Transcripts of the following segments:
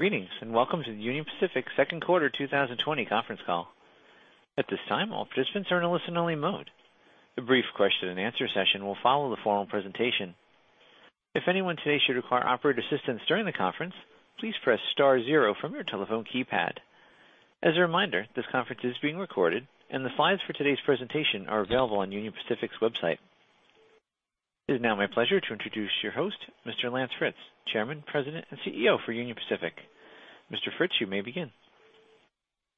Greetings, welcome to the Union Pacific second quarter 2020 conference call. At this time, all participants are in a listen-only mode. A brief question and answer session will follow the formal presentation. If anyone today should require operator assistance during the conference, please press star zero from your telephone keypad. As a reminder, this conference is being recorded, and the slides for today's presentation are available on Union Pacific's website. It is now my pleasure to introduce your host, Mr. Lance Fritz, Chairman, President, and CEO for Union Pacific. Mr. Fritz, you may begin.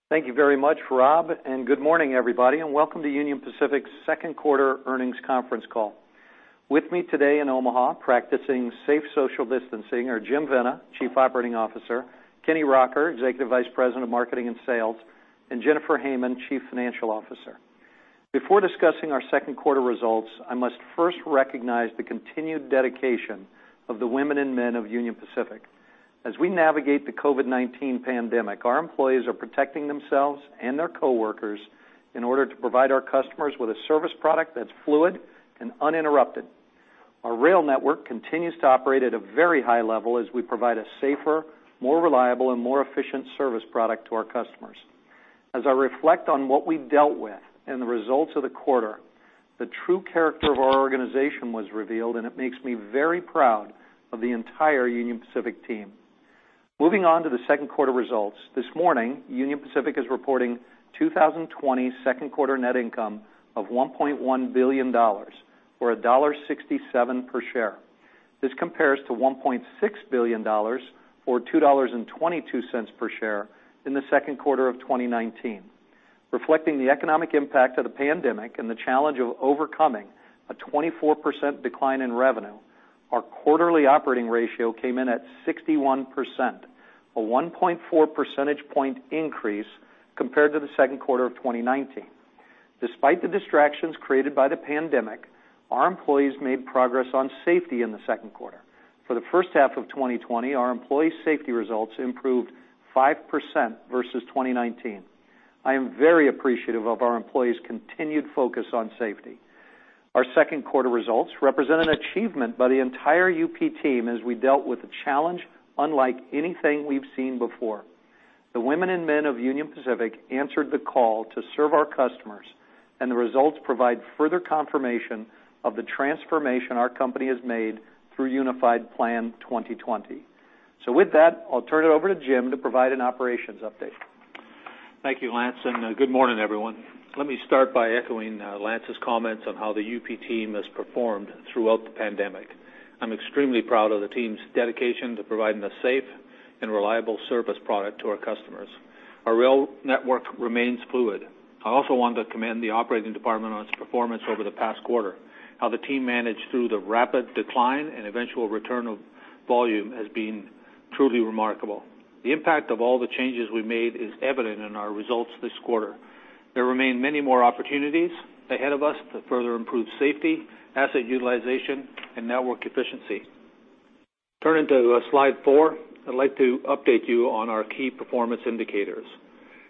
Thank you very much, Rob. Good morning, everybody, and welcome to Union Pacific's second quarter earnings conference call. With me today in Omaha, practicing safe social distancing, are Jim Vena, Chief Operating Officer, Kenny Rocker, Executive Vice President of Marketing and Sales, and Jennifer Hamann, Chief Financial Officer. Before discussing our second quarter results, I must first recognize the continued dedication of the women and men of Union Pacific. As we navigate the COVID-19 pandemic, our employees are protecting themselves and their coworkers in order to provide our customers with a service product that's fluid and uninterrupted. Our rail network continues to operate at a very high level as we provide a safer, more reliable, and more efficient service product to our customers. As I reflect on what we dealt with and the results of the quarter, the true character of our organization was revealed, and it makes me very proud of the entire Union Pacific team. Moving on to the second quarter results, this morning, Union Pacific is reporting 2020 second quarter net income of $1.1 billion, or $1.67 per share. This compares to $1.6 billion or $2.22 per share in the second quarter of 2019. Reflecting the economic impact of the pandemic and the challenge of overcoming a 24% decline in revenue, our quarterly operating ratio came in at 61%, a 1.4 percentage point increase compared to the second quarter of 2019. Despite the distractions created by the pandemic, our employees made progress on safety in the second quarter. For the first half of 2020, our employee safety results improved 5% versus 2019. I am very appreciative of our employees' continued focus on safety. Our second quarter results represent an achievement by the entire UP team as we dealt with a challenge unlike anything we've seen before. The women and men of Union Pacific answered the call to serve our customers, and the results provide further confirmation of the transformation our company has made through Unified Plan 2020. With that, I'll turn it over to Jim to provide an operations update. Thank you, Lance. Good morning, everyone. Let me start by echoing Lance's comments on how the UP team has performed throughout the pandemic. I'm extremely proud of the team's dedication to providing a safe and reliable service product to our customers. Our rail network remains fluid. I also want to commend the operating department on its performance over the past quarter. How the team managed through the rapid decline and eventual return of volume has been truly remarkable. The impact of all the changes we made is evident in our results this quarter. There remain many more opportunities ahead of us to further improve safety, asset utilization, and network efficiency. Turning to slide four, I'd like to update you on our key performance indicators.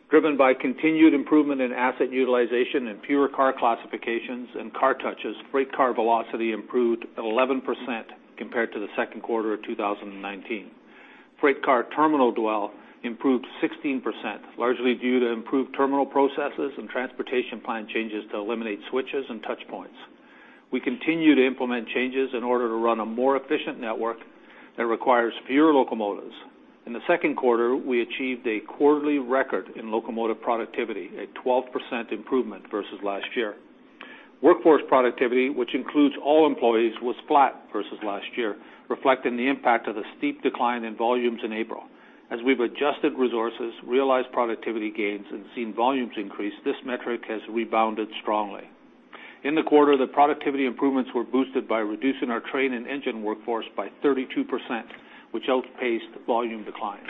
Driven by continued improvement in asset utilization and fewer car classifications and car touches, freight car velocity improved 11% compared to the second quarter of 2019. Freight car terminal dwell improved 16%, largely due to improved terminal processes and transportation plan changes to eliminate switches and touchpoints. We continue to implement changes in order to run a more efficient network that requires fewer locomotives. In the second quarter, we achieved a quarterly record in locomotive productivity, a 12% improvement versus last year. Workforce productivity, which includes all employees, was flat versus last year, reflecting the impact of the steep decline in volumes in April. As we've adjusted resources, realized productivity gains, and seen volumes increase, this metric has rebounded strongly. In the quarter, the productivity improvements were boosted by reducing our Train and Engine workforce by 32%, which outpaced volume declines.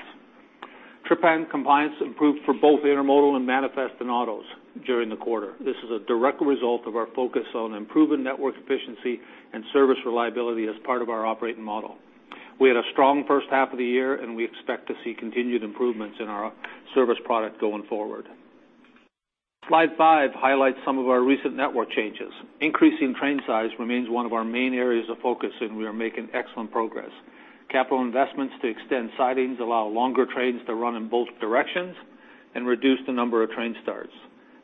Trip plan compliance improved for both intermodal and manifest and autos during the quarter. This is a direct result of our focus on improving network efficiency and service reliability as part of our operating model. We had a strong first half of the year, and we expect to see continued improvements in our service product going forward. Slide five highlights some of our recent network changes. Increasing train size remains one of our main areas of focus, and we are making excellent progress. Capital investments to extend sidings allow longer trains to run in both directions and reduce the number of train starts.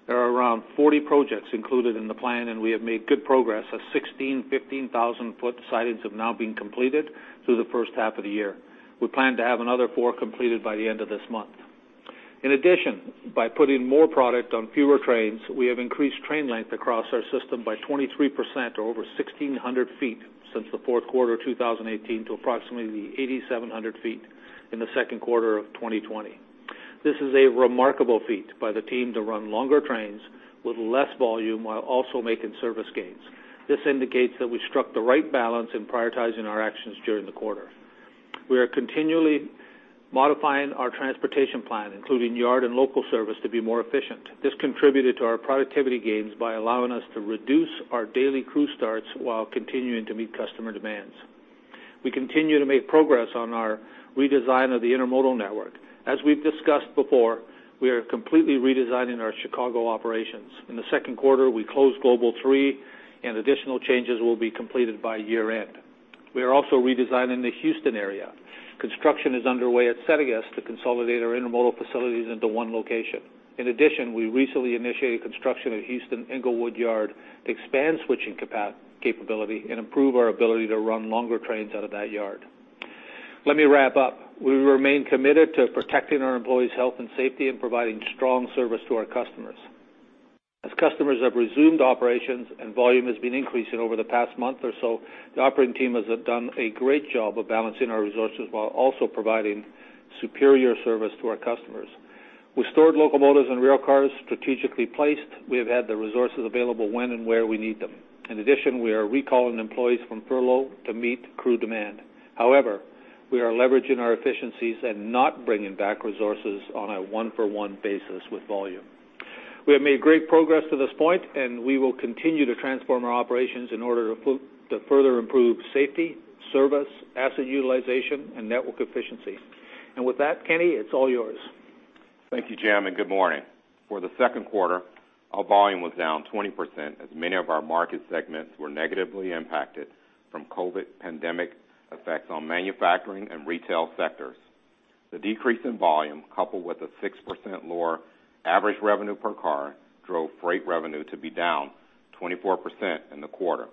There are around 40 projects included in the plan, and we have made good progress, as 16 15,000-foot sidings have now been completed through the first half of the year. We plan to have another four completed by the end of this month. By putting more product on fewer trains, we have increased train length across our system by 23%, or over 1,600 ft since the fourth quarter 2018 to approximately 8,700 ft in the second quarter of 2020. This is a remarkable feat by the team to run longer trains with less volume while also making service gains. This indicates that we struck the right balance in prioritizing our actions during the quarter. We are continually modifying our transportation plan, including yard and local service, to be more efficient. This contributed to our productivity gains by allowing us to reduce our daily crew starts while continuing to meet customer demands. We continue to make progress on our redesign of the intermodal network. As we've discussed before, we are completely redesigning our Chicago operations. In the second quarter, we closed Global III, additional changes will be completed by year-end. We are also redesigning the Houston area. Construction is underway at Settegast to consolidate our intermodal facilities into one location. We recently initiated construction at Houston Englewood Yard to expand switching capability and improve our ability to run longer trains out of that yard. Let me wrap up. We remain committed to protecting our employees' health and safety and providing strong service to our customers. As customers have resumed operations and volume has been increasing over the past month or so, the operating team has done a great job of balancing our resources while also providing superior service to our customers. With stored locomotives and railcars strategically placed, we have had the resources available when and where we need them. We are recalling employees from furlough to meet crew demand. However, we are leveraging our efficiencies and not bringing back resources on a one-for-one basis with volume. We have made great progress to this point. We will continue to transform our operations in order to further improve safety, service, asset utilization, and network efficiency. With that, Kenny, it's all yours. Thank you, Jim, and good morning. For the second quarter, our volume was down 20% as many of our market segments were negatively impacted from COVID pandemic effects on manufacturing and retail sectors. The decrease in volume, coupled with a 6% lower average revenue per car, drove freight revenue to be down 24% in the quarter.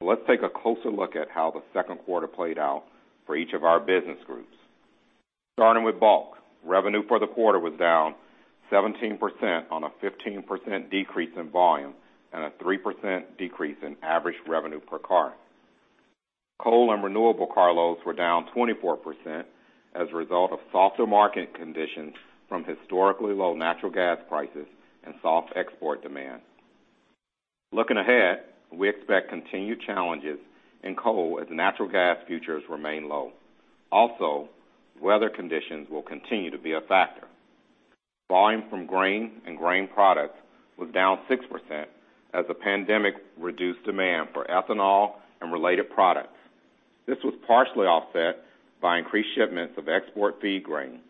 Let's take a closer look at how the second quarter played out for each of our business groups. Starting with Bulk, revenue for the quarter was down 17% on a 15% decrease in volume and a 3% decrease in average revenue per car. Coal and renewable car loads were down 24% as a result of softer market conditions from historically low natural gas prices and soft export demand. Looking ahead, we expect continued challenges in coal as natural gas futures remain low. Weather conditions will continue to be a factor. Volume from grain and grain products was down 6% as the pandemic reduced demand for ethanol and related products. This was partially offset by increased shipments of export feed grain.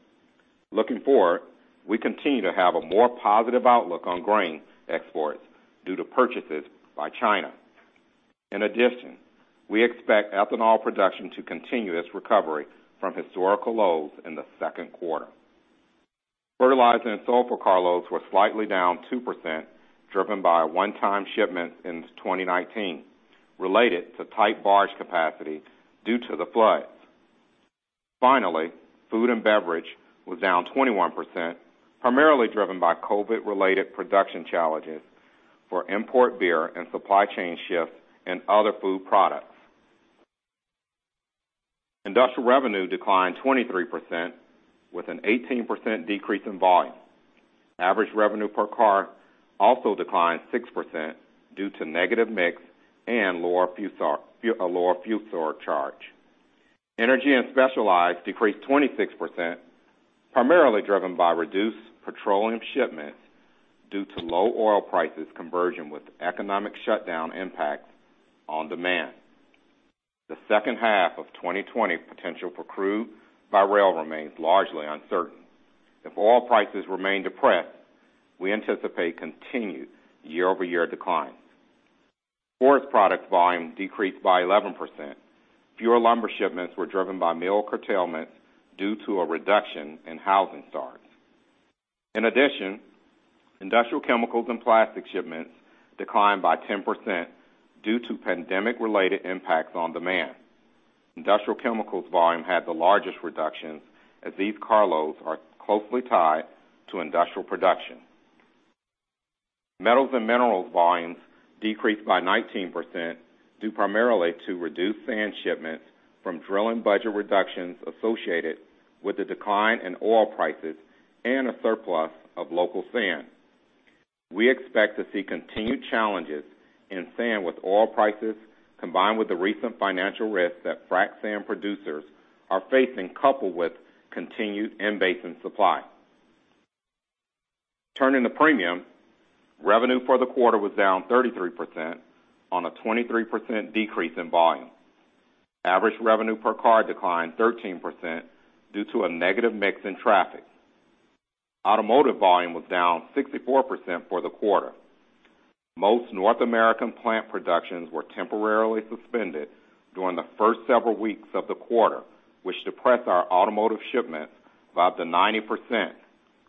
Looking forward, we continue to have a more positive outlook on grain exports due to purchases by China. In addition, we expect ethanol production to continue its recovery from historical lows in the second quarter. Fertilizer and sulfur car loads were slightly down 2%, driven by a one-time shipment in 2019 related to tight barge capacity due to the floods. Finally, food and beverage was down 21%, primarily driven by COVID-related production challenges for import beer and supply chain shifts in other food products. Industrial revenue declined 23% with an 18% decrease in volume. Average revenue per car also declined 6% due to negative mix and a lower fuel surcharge. Energy and specialized decreased 26%, primarily driven by reduced petroleum shipments due to low oil prices conversion with economic shutdown impacts on demand. The second half of 2020 potential for crude by rail remains largely uncertain. If oil prices remain depressed, we anticipate continued year-over-year declines. Forest product volume decreased by 11%. Fewer lumber shipments were driven by mill curtailments due to a reduction in housing starts. In addition, industrial chemicals and plastic shipments declined by 10% due to pandemic-related impacts on demand. Industrial chemicals volume had the largest reduction as these car loads are closely tied to industrial production. Metals and minerals volumes decreased by 19%, due primarily to reduced sand shipments from drilling budget reductions associated with the decline in oil prices and a surplus of local sand. We expect to see continued challenges in sand with oil prices, combined with the recent financial risks that frac sand producers are facing, coupled with continued in-basin supply. Turning to premium, revenue for the quarter was down 33% on a 23% decrease in volume. Average revenue per car declined 13% due to a negative mix in traffic. Automotive volume was down 64% for the quarter. Most North American plant productions were temporarily suspended during the first several weeks of the quarter, which depressed our automotive shipments by up to 90%,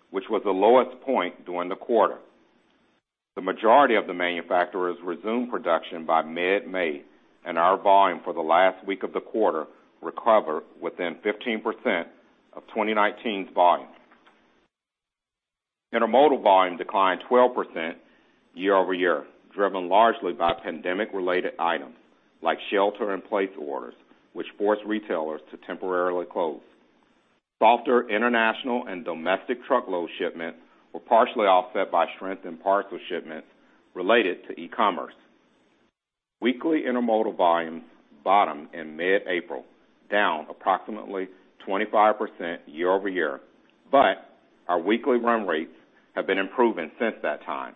which was the lowest point during the quarter. The majority of the manufacturers resumed production by mid-May, and our volume for the last week of the quarter recovered within 15% of 2019's volume. Intermodal volume declined 12% year-over-year, driven largely by pandemic-related items like shelter in place orders, which forced retailers to temporarily close. International and domestic truckload shipments were partially offset by strength in parcel shipments related to e-commerce. Weekly intermodal volumes bottomed in mid-April, down approximately 25% year-over-year. Our weekly run rates have been improving since that time.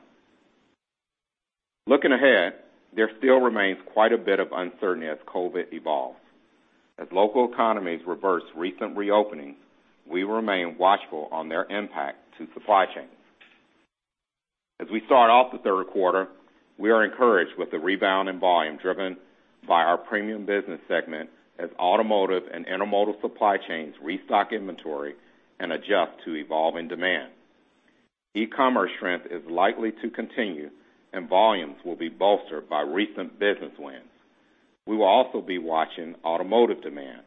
Looking ahead, there still remains quite a bit of uncertainty as COVID-19 evolves. As local economies reverse recent reopening, we remain watchful on their impact to supply chains. As we start off the third quarter, we are encouraged with the rebound in volume driven by our Premium business segment, as automotive and intermodal supply chains restock inventory and adjust to evolving demand. E-commerce strength is likely to continue, volumes will be bolstered by recent business wins. We will also be watching automotive demand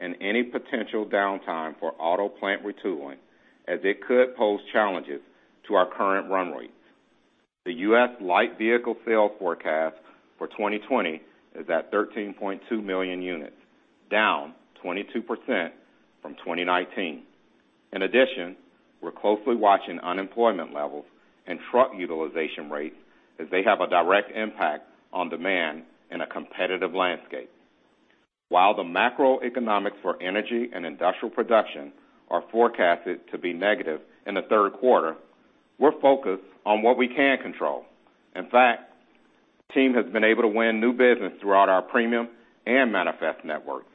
and any potential downtime for auto plant retooling, as it could pose challenges to our current run rates. The U.S. light vehicle sales forecast for 2020 is at 13.2 million units, down 22% from 2019. In addition, we're closely watching unemployment levels and truck utilization rates, as they have a direct impact on demand in a competitive landscape. While the macroeconomics for energy and industrial production are forecasted to be negative in the third quarter, we're focused on what we can control. In fact, the team has been able to win new business throughout our premium and manifest networks.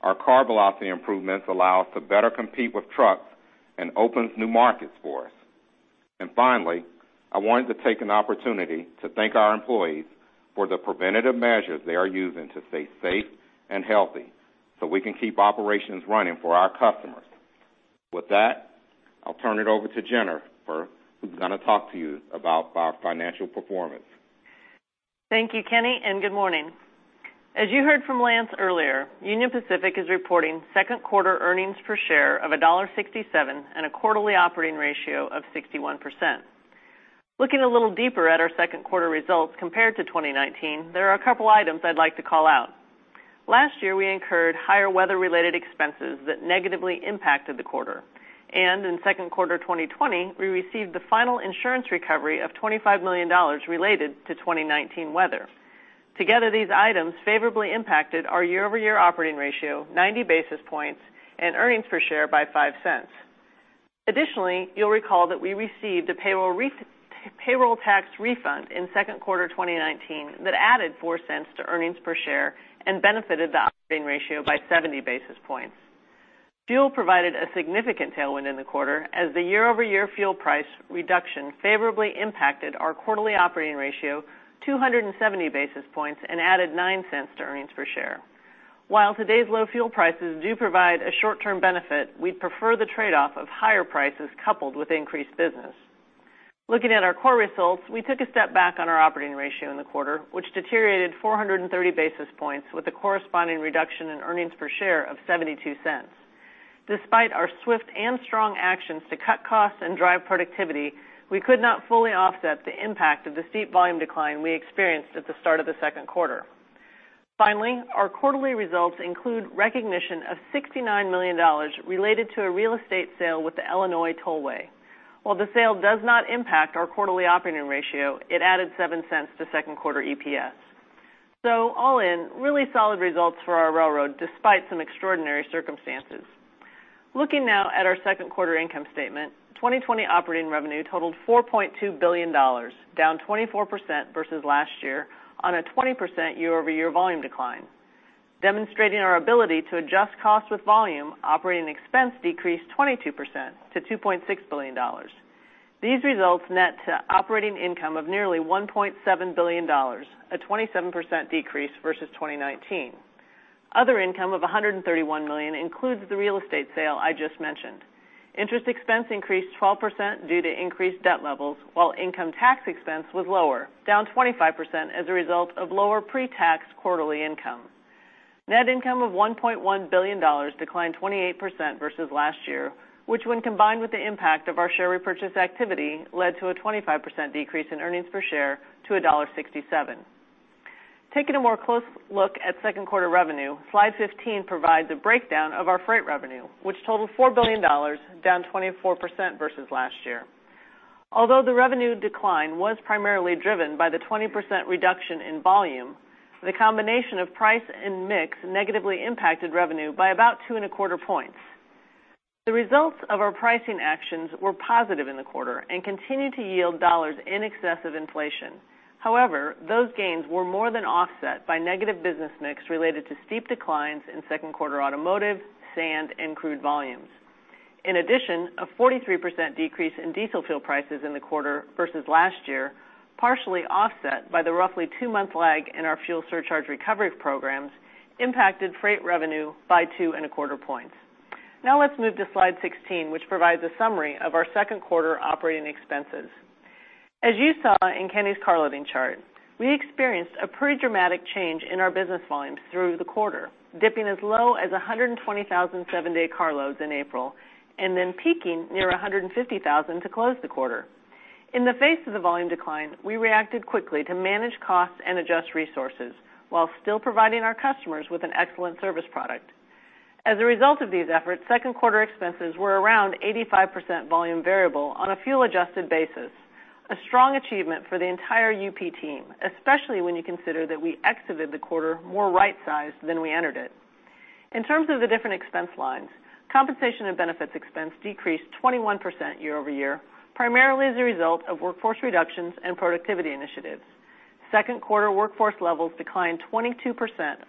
Our car velocity improvements allow us to better compete with trucks and opens new markets for us. Finally, I wanted to take an opportunity to thank our employees for the preventative measures they are using to stay safe and healthy, so we can keep operations running for our customers. With that, I'll turn it over to Jennifer, who's going to talk to you about our financial performance. Thank you, Kenny. Good morning. As you heard from Lance earlier, Union Pacific is reporting second quarter earnings per share of $1.67 and a quarterly operating ratio of 61%. Looking a little deeper at our second quarter results compared to 2019, there are a couple items I'd like to call out. Last year, we incurred higher weather-related expenses that negatively impacted the quarter. In second quarter 2020, we received the final insurance recovery of $25 million related to 2019 weather. Together, these items favorably impacted our year-over-year operating ratio 90 basis points and earnings per share by $0.05. Additionally, you'll recall that we received a payroll tax refund in second quarter 2019 that added $0.04 to earnings per share and benefited the operating ratio by 70 basis points. Fuel provided a significant tailwind in the quarter as the year-over-year fuel price reduction favorably impacted our quarterly operating ratio 270 basis points and added $0.09 to earnings per share. While today's low fuel prices do provide a short-term benefit, we'd prefer the trade-off of higher prices coupled with increased business. Looking at our core results, we took a step back on our operating ratio in the quarter, which deteriorated 430 basis points with a corresponding reduction in earnings per share of $0.72. Despite our swift and strong actions to cut costs and drive productivity, we could not fully offset the impact of the steep volume decline we experienced at the start of the second quarter. Finally, our quarterly results include recognition of $69 million related to a real estate sale with the Illinois Tollway. While the sale does not impact our quarterly operating ratio, it added $0.07 to second quarter EPS. All in, really solid results for our railroad, despite some extraordinary circumstances. Looking now at our second quarter income statement, 2020 operating revenue totaled $4.2 billion, down 24% versus last year on a 20% year-over-year volume decline. Demonstrating our ability to adjust cost with volume, operating expense decreased 22% to $2.6 billion. These results net to operating income of nearly $1.7 billion, a 27% decrease versus 2019. Other income of $131 million includes the real estate sale I just mentioned. Interest expense increased 12% due to increased debt levels, while income tax expense was lower, down 25% as a result of lower pre-tax quarterly income. Net income of $1.1 billion declined 28% versus last year, which when combined with the impact of our share repurchase activity, led to a 25% decrease in earnings per share to $1.67. Taking a more close look at second quarter revenue, slide 15 provides a breakdown of our freight revenue, which totaled $4 billion, down 24% versus last year. The revenue decline was primarily driven by the 20% reduction in volume, the combination of price and mix negatively impacted revenue by about two and a quarter points. The results of our pricing actions were positive in the quarter and continue to yield dollars in excess of inflation. Those gains were more than offset by negative business mix related to steep declines in second quarter automotive, sand, and crude volumes. In addition, a 43% decrease in diesel fuel prices in the quarter versus last year, partially offset by the roughly two-month lag in our fuel surcharge recovery programs, impacted freight revenue by two and a quarter points. Now let's move to slide 16, which provides a summary of our second quarter operating expenses. As you saw in Kenny's car loads chart, we experienced a pretty dramatic change in our business volumes through the quarter, dipping as low as 120,000 seven-day car loads in April, and then peaking near 150,000 to close the quarter. In the face of the volume decline, we reacted quickly to manage costs and adjust resources while still providing our customers with an excellent service product. As a result of these efforts, second quarter expenses were around 85% volume variable on a fuel-adjusted basis, a strong achievement for the entire UP team, especially when you consider that we exited the quarter more right-sized than we entered it. In terms of the different expense lines, compensation and benefits expense decreased 21% year-over-year, primarily as a result of workforce reductions and productivity initiatives. Second quarter workforce levels declined 22%,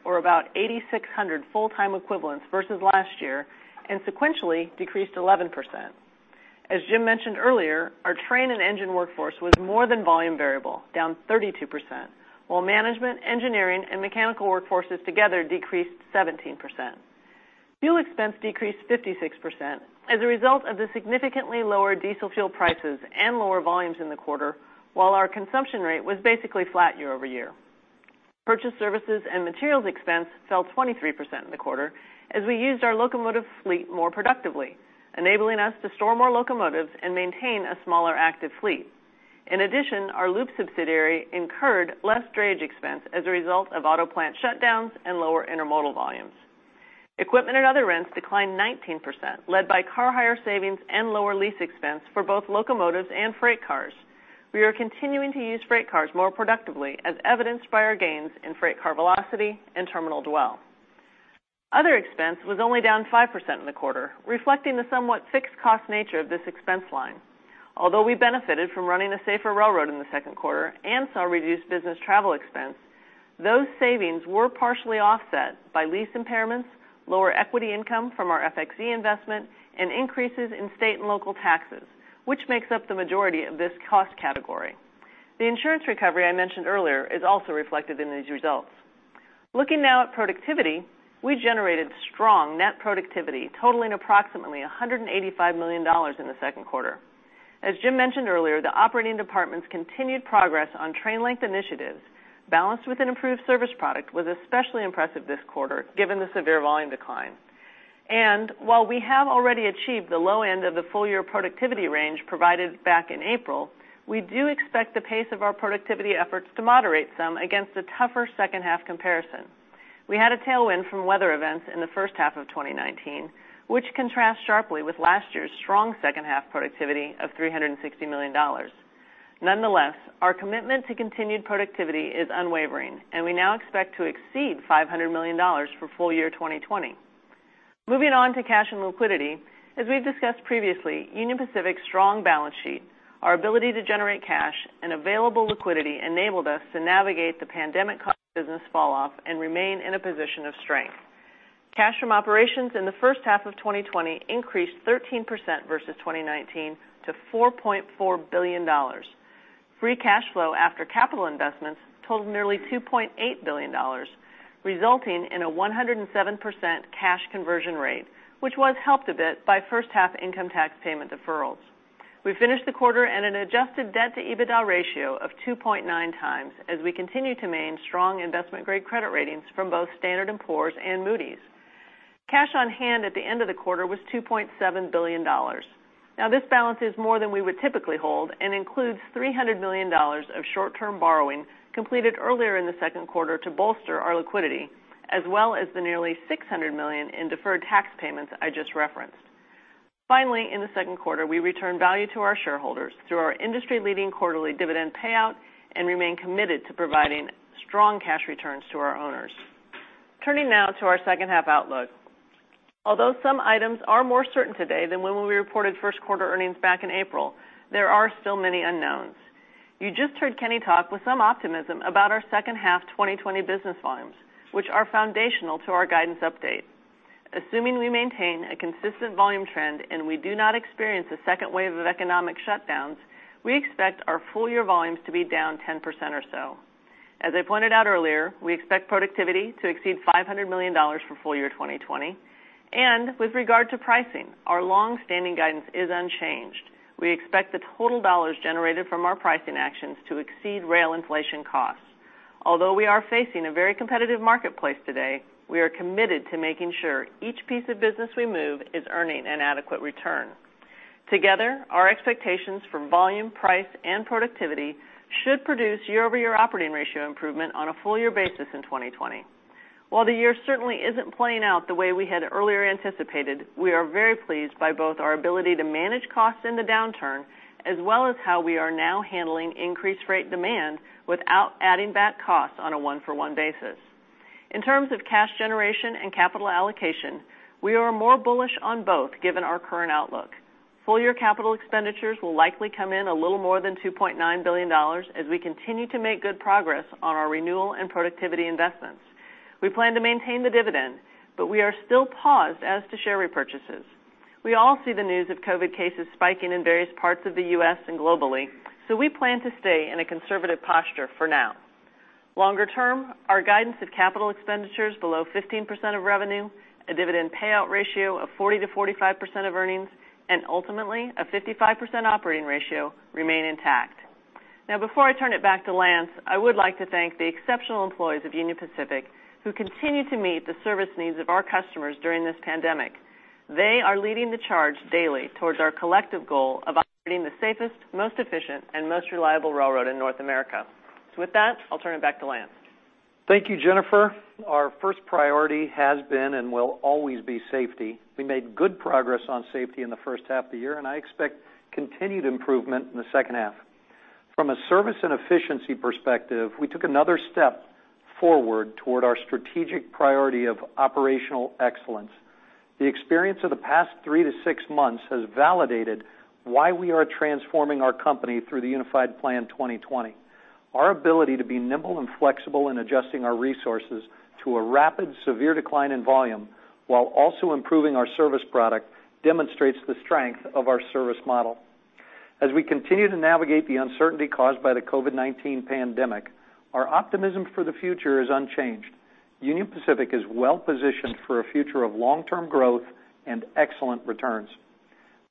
or about 8,600 full-time equivalents versus last year, and sequentially decreased 11%. As Jim mentioned earlier, our train and engine workforce was more than volume variable, down 32%, while management, engineering, and mechanical workforces together decreased 17%. Fuel expense decreased 56% as a result of the significantly lower diesel fuel prices and lower volumes in the quarter, while our consumption rate was basically flat year-over-year. Purchase services and materials expense fell 23% in the quarter as we used our locomotive fleet more productively, enabling us to store more locomotives and maintain a smaller active fleet. In addition, our Loup subsidiary incurred less drayage expense as a result of auto plant shutdowns and lower intermodal volumes. Equipment and other rents declined 19%, led by car hire savings and lower lease expense for both locomotives and freight cars. We are continuing to use freight cars more productively, as evidenced by our gains in freight car velocity and terminal dwell. Other expense was only down 5% in the quarter, reflecting the somewhat fixed cost nature of this expense line. Although we benefited from running a safer railroad in the second quarter and saw reduced business travel expense, those savings were partially offset by lease impairments, lower equity income from our FXE investment, and increases in state and local taxes, which makes up the majority of this cost category. The insurance recovery I mentioned earlier is also reflected in these results. Looking now at productivity, we generated strong net productivity totaling approximately $185 million in the second quarter. As Jim mentioned earlier, the operating department's continued progress on train length initiatives, balanced with an improved service product, was especially impressive this quarter given the severe volume decline. While we have already achieved the low end of the full-year productivity range provided back in April, we do expect the pace of our productivity efforts to moderate some against a tougher second half comparison. We had a tailwind from weather events in the first half of 2019, which contrasts sharply with last year's strong second half productivity of $360 million. Nonetheless, our commitment to continued productivity is unwavering, and we now expect to exceed $500 million for full-year 2020. Moving on to cash and liquidity, as we've discussed previously, Union Pacific's strong balance sheet, our ability to generate cash, and available liquidity enabled us to navigate the pandemic-caused business falloff and remain in a position of strength. Cash from operations in the first half of 2020 increased 13% versus 2019 to $4.4 billion. Free cash flow after capital investments totaled nearly $2.8 billion, resulting in a 107% cash conversion rate, which was helped a bit by first-half income tax payment deferrals. We finished the quarter at an adjusted debt-to-EBITDA ratio of 2.9x as we continue to maintain strong investment-grade credit ratings from both Standard & Poor's and Moody's. Cash on hand at the end of the quarter was $2.7 billion. This balance is more than we would typically hold and includes $300 million of short-term borrowing completed earlier in the second quarter to bolster our liquidity, as well as the nearly $600 million in deferred tax payments I just referenced. In the second quarter, we returned value to our shareholders through our industry-leading quarterly dividend payout and remain committed to providing strong cash returns to our owners. Turning now to our second half outlook. Some items are more certain today than when we reported first quarter earnings back in April, there are still many unknowns. You just heard Kenny talk with some optimism about our second half 2020 business volumes, which are foundational to our guidance update. Assuming we maintain a consistent volume trend and we do not experience a second wave of economic shutdowns, we expect our full-year volumes to be down 10% or so. As I pointed out earlier, we expect productivity to exceed $500 million for full-year 2020, and with regard to pricing, our long-standing guidance is unchanged. We expect the total dollars generated from our pricing actions to exceed rail inflation costs. Although we are facing a very competitive marketplace today, we are committed to making sure each piece of business we move is earning an adequate return. Together, our expectations for volume, price, and productivity should produce year-over-year operating ratio improvement on a full-year basis in 2020. While the year certainly isn't playing out the way we had earlier anticipated, we are very pleased by both our ability to manage costs in the downturn, as well as how we are now handling increased freight demand without adding back costs on a one-for-one basis. In terms of cash generation and capital allocation, we are more bullish on both given our current outlook. Full-year capital expenditures will likely come in a little more than $2.9 billion as we continue to make good progress on our renewal and productivity investments. We plan to maintain the dividend, but we are still paused as to share repurchases. We all see the news of COVID-19 cases spiking in various parts of the U.S. and globally, so we plan to stay in a conservative posture for now. Longer term, our guidance of capital expenditures below 15% of revenue, a dividend payout ratio of 40%-45% of earnings, and ultimately, a 55% operating ratio remain intact. Before I turn it back to Lance, I would like to thank the exceptional employees of Union Pacific who continue to meet the service needs of our customers during this pandemic. They are leading the charge daily towards our collective goal of operating the safest, most efficient, and most reliable railroad in North America. With that, I'll turn it back to Lance. Thank you, Jennifer. Our first priority has been and will always be safety. We made good progress on safety in the first half of the year, and I expect continued improvement in the second half. From a service and efficiency perspective, we took another step forward toward our strategic priority of operational excellence. The experience of the past three to six months has validated why we are transforming our company through the Unified Plan 2020. Our ability to be nimble and flexible in adjusting our resources to a rapid, severe decline in volume, while also improving our service product, demonstrates the strength of our service model. As we continue to navigate the uncertainty caused by the COVID-19 pandemic, our optimism for the future is unchanged. Union Pacific is well-positioned for a future of long-term growth and excellent returns.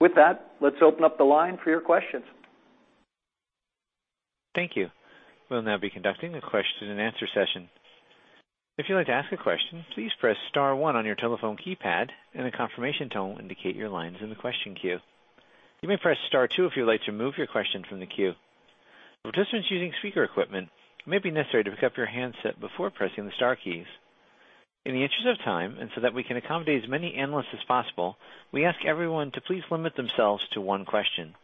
With that, let's open up the line for your questions. Thank you. We'll now be conducting a question and answer session. If you'd like to ask a question, please press star one on your telephone keypad, and a confirmation tone will indicate your line is in the question queue. You may press star two if you would like to remove your question from the queue. For participants using speaker equipment, it may be necessary to pick up your handset before pressing the star keys. In the interest of time, that we can accommodate as many analysts as possible, we ask everyone to please limit themselves to one question.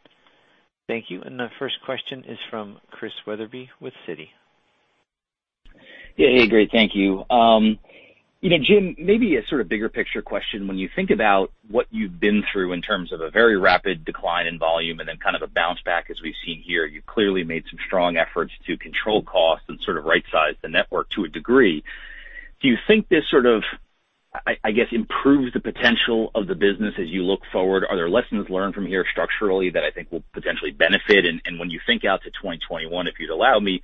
Thank you. The first question is from Chris Wetherbee with Citi. Yeah, great, thank you. Jim, maybe a sort of bigger picture question. When you think about what you've been through in terms of a very rapid decline in volume and then kind of a bounce back as we've seen here, you've clearly made some strong efforts to control costs and sort of right-size the network to a degree. Do you think this sort of, I guess, improves the potential of the business as you look forward? Are there lessons learned from here structurally that I think will potentially benefit? When you think out to 2021, if you'd allow me,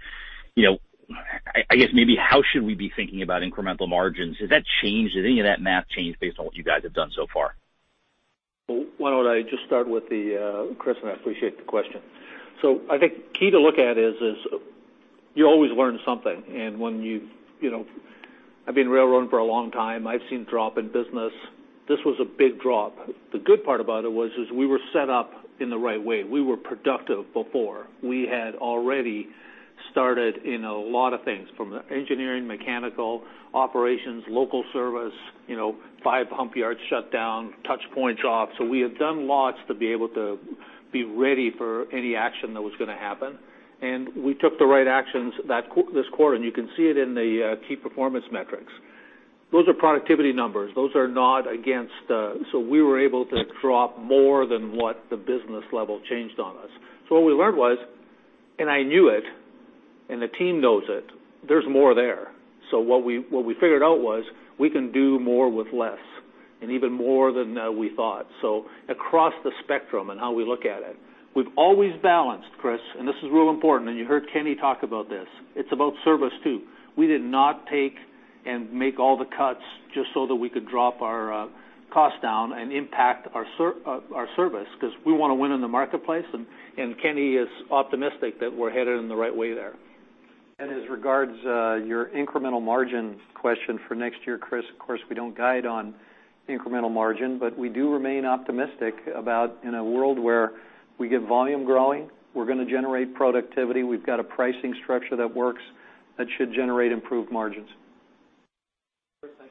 I guess maybe how should we be thinking about incremental margins? Has that changed? Has any of that math changed based on what you guys have done so far? Why don't I just start with Chris, I appreciate the question. I think key to look at is, you always learn something. I've been railroading for a long time, I've seen drop in business. This was a big drop. The good part about it was is we were set up in the right way. We were productive before. We had already started in a lot of things, from the engineering, mechanical, operations, local service, five hump yards shut down, touch points off. We had done lots to be able to be ready for any action that was going to happen. We took the right actions this quarter, and you can see it in the key performance metrics. Those are productivity numbers. Those are not against. We were able to drop more than what the business level changed on us. What we learned was, and I knew it, and the team knows it, there's more there. What we figured out was we can do more with less, and even more than we thought. Across the spectrum in how we look at it. We've always balanced, Chris, and this is real important, and you heard Kenny talk about this. It's about service too. We did not take and make all the cuts just so that we could drop our costs down and impact our service, because we want to win in the marketplace, and Kenny is optimistic that we're headed in the right way there. As regards your incremental margin question for next year, Chris, of course, we don't guide on incremental margin, but we do remain optimistic about in a world where we get volume growing, we're going to generate productivity. We've got a pricing structure that works that should generate improved margins.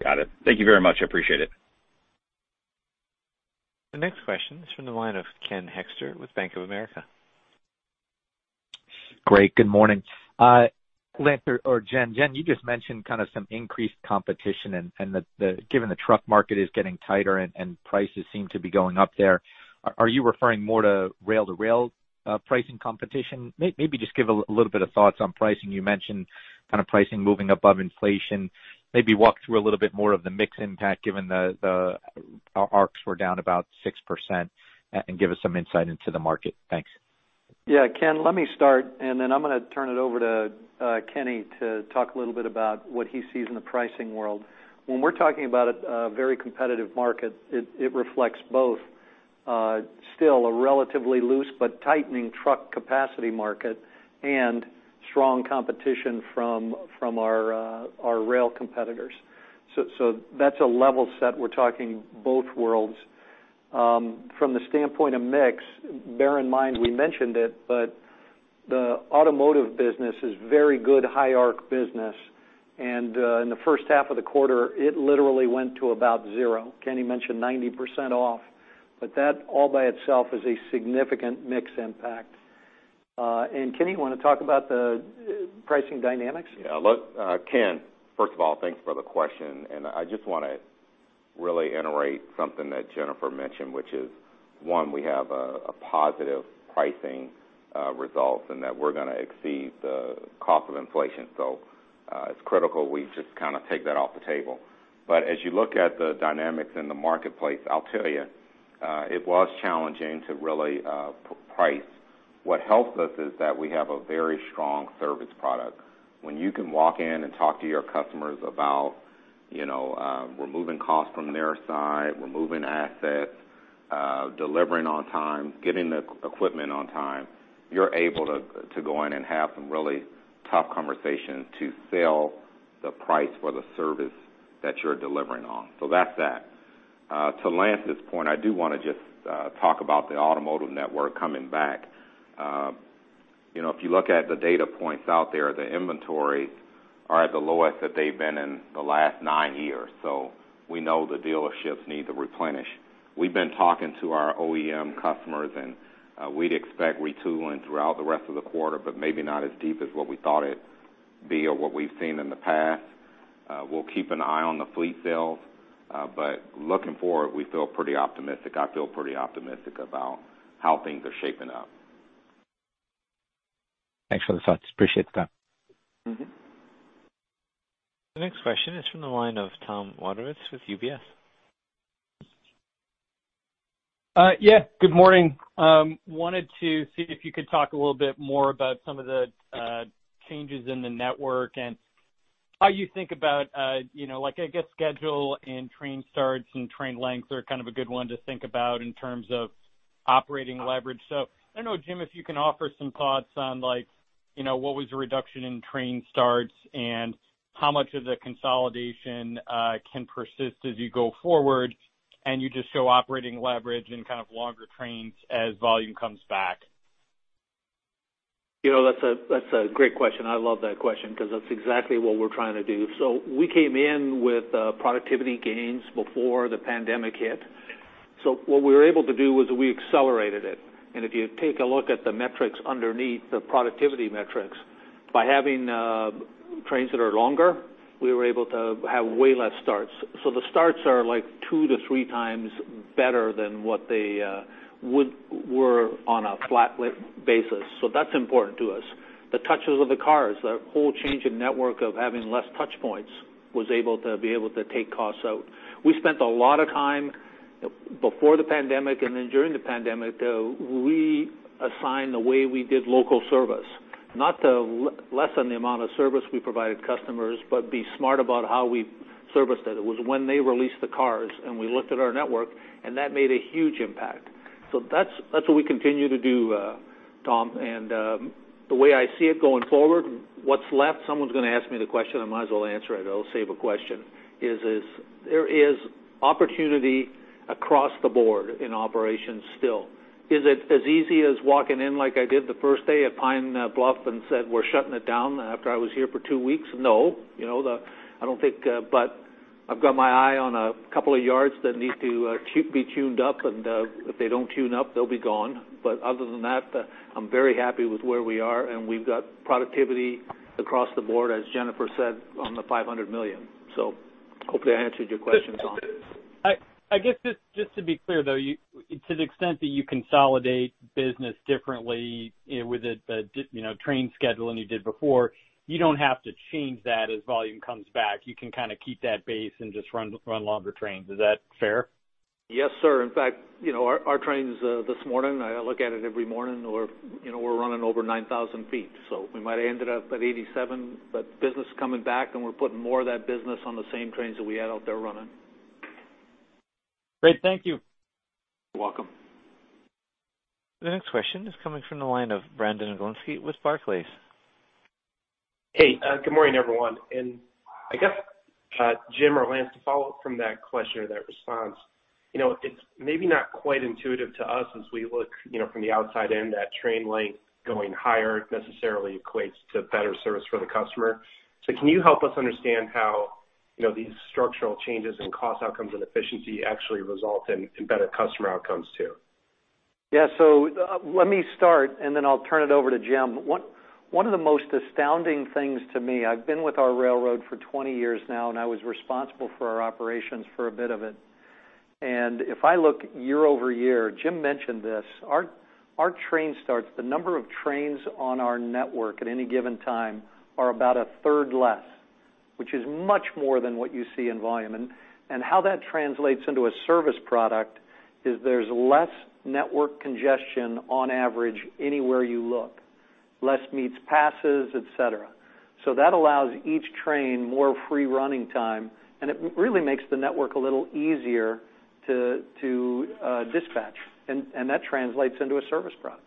Got it. Thank you very much. I appreciate it. The next question is from the line of Ken Hoexter with Bank of America. Great. Good morning. Lance or Jen. Jen, you just mentioned kind of some increased competition and that given the truck market is getting tighter and prices seem to be going up there, are you referring more to rail-to-rail pricing competition? Maybe just give a little bit of thoughts on pricing. You mentioned pricing moving above inflation. Maybe walk through a little bit more of the mix impact given the ARCs were down about 6% and give us some insight into the market. Thanks. Yeah, Ken, let me start, and then I'm going to turn it over to Kenny to talk a little bit about what he sees in the pricing world. When we're talking about a very competitive market, it reflects both still a relatively loose but tightening truck capacity market and strong competition from our rail competitors. That's a level set. We're talking both worlds. From the standpoint of mix, bear in mind, we mentioned it, but the automotive business is very good, high ARC business, and in the first half of the quarter, it literally went to about zero. Kenny mentioned 90% off, but that all by itself is a significant mix impact. Kenny, you want to talk about the pricing dynamics? Yeah, Ken, first of all, thanks for the question. I just want to really iterate something that Jennifer mentioned, which is, one, we have a positive pricing result and that we're going to exceed the cost of inflation. It's critical we just kind of take that off the table. As you look at the dynamics in the marketplace, I'll tell you, it was challenging to really price. What helped us is that we have a very strong service product. When you can walk in and talk to your customers about removing costs from their side, removing assets, delivering on time, getting the equipment on time, you're able to go in and have some really tough conversations to sell the price for the service that you're delivering on. That's that. To Lance's point, I do want to just talk about the automotive network coming back. If you look at the data points out there, the inventories are at the lowest that they've been in the last nine years. We know the dealerships need to replenish. We've been talking to our OEM customers, and we'd expect retooling throughout the rest of the quarter, but maybe not as deep as what we thought it'd be or what we've seen in the past. We'll keep an eye on the fleet sales. Looking forward, we feel pretty optimistic. I feel pretty optimistic about how things are shaping up. Thanks for the thoughts. Appreciate the time. The next question is from the line of Tom Wadewitz with UBS. Yeah, good morning. Wanted to see if you could talk a little bit more about some of the changes in the network and how you think about, I guess, schedule and train starts and train lengths are kind of a good one to think about in terms of operating leverage. I don't know, Jim, if you can offer some thoughts on what was the reduction in train starts, and how much of the consolidation can persist as you go forward, and you just show operating leverage in kind of longer trains as volume comes back. That's a great question, and I love that question because that's exactly what we're trying to do. We came in with productivity gains before the pandemic hit. What we were able to do was we accelerated it. If you take a look at the metrics underneath the productivity metrics, by having trains that are longer, we were able to have way less starts. The starts are two to three times better than what they were on a flat basis. That's important to us. The touches of the cars, the whole change in network of having less touchpoints was able to be able to take costs out. We spent a lot of time before the pandemic, and then during the pandemic, reassign the way we did local service, not to lessen the amount of service we provided customers, but be smart about how we serviced it. It was when they released the cars and we looked at our network, that made a huge impact. That's what we continue to do, Tom. The way I see it going forward, what's left, someone's going to ask me the question, I might as well answer it'll save a question, there is opportunity across the board in operations still. Is it as easy as walking in like I did the first day at Pine Bluff and said we're shutting it down after I was here for two weeks? No. I've got my eye on a couple of yards that need to be tuned up, and if they don't tune up, they'll be gone. Other than that, I'm very happy with where we are, and we've got productivity across the board, as Jennifer said, on the $500 million. Hopefully I answered your question, Tom. I guess just to be clear, though, to the extent that you consolidate business differently with the train schedule than you did before, you don't have to change that as volume comes back. You can kind of keep that base and just run longer trains. Is that fair? Yes, sir. In fact, our trains this morning, I look at it every morning, we're running over 9,000 ft. We might have ended up at 8,700 ft, but business is coming back and we're putting more of that business on the same trains that we had out there running. Great. Thank you. You're welcome. The next question is coming from the line of Brandon Oglenski with Barclays. Hey, good morning, everyone. I guess, Jim or Lance, to follow up from that question or that response. It's maybe not quite intuitive to us as we look from the outside in that train length going higher necessarily equates to better service for the customer. Can you help us understand how these structural changes in cost outcomes and efficiency actually result in better customer outcomes too? Yeah. Let me start, and then I'll turn it over to Jim. One of the most astounding things to me, I've been with our railroad for 20 years now, and I was responsible for our operations for a bit of it. If I look year-over-year, Jim mentioned this, our train starts, the number of trains on our network at any given time are about a third less, which is much more than what you see in volume. How that translates into a service product is there's less network congestion on average anywhere you look. Less meets, passes, et cetera. That allows each train more free running time, and it really makes the network a little easier to dispatch, and that translates into a service product.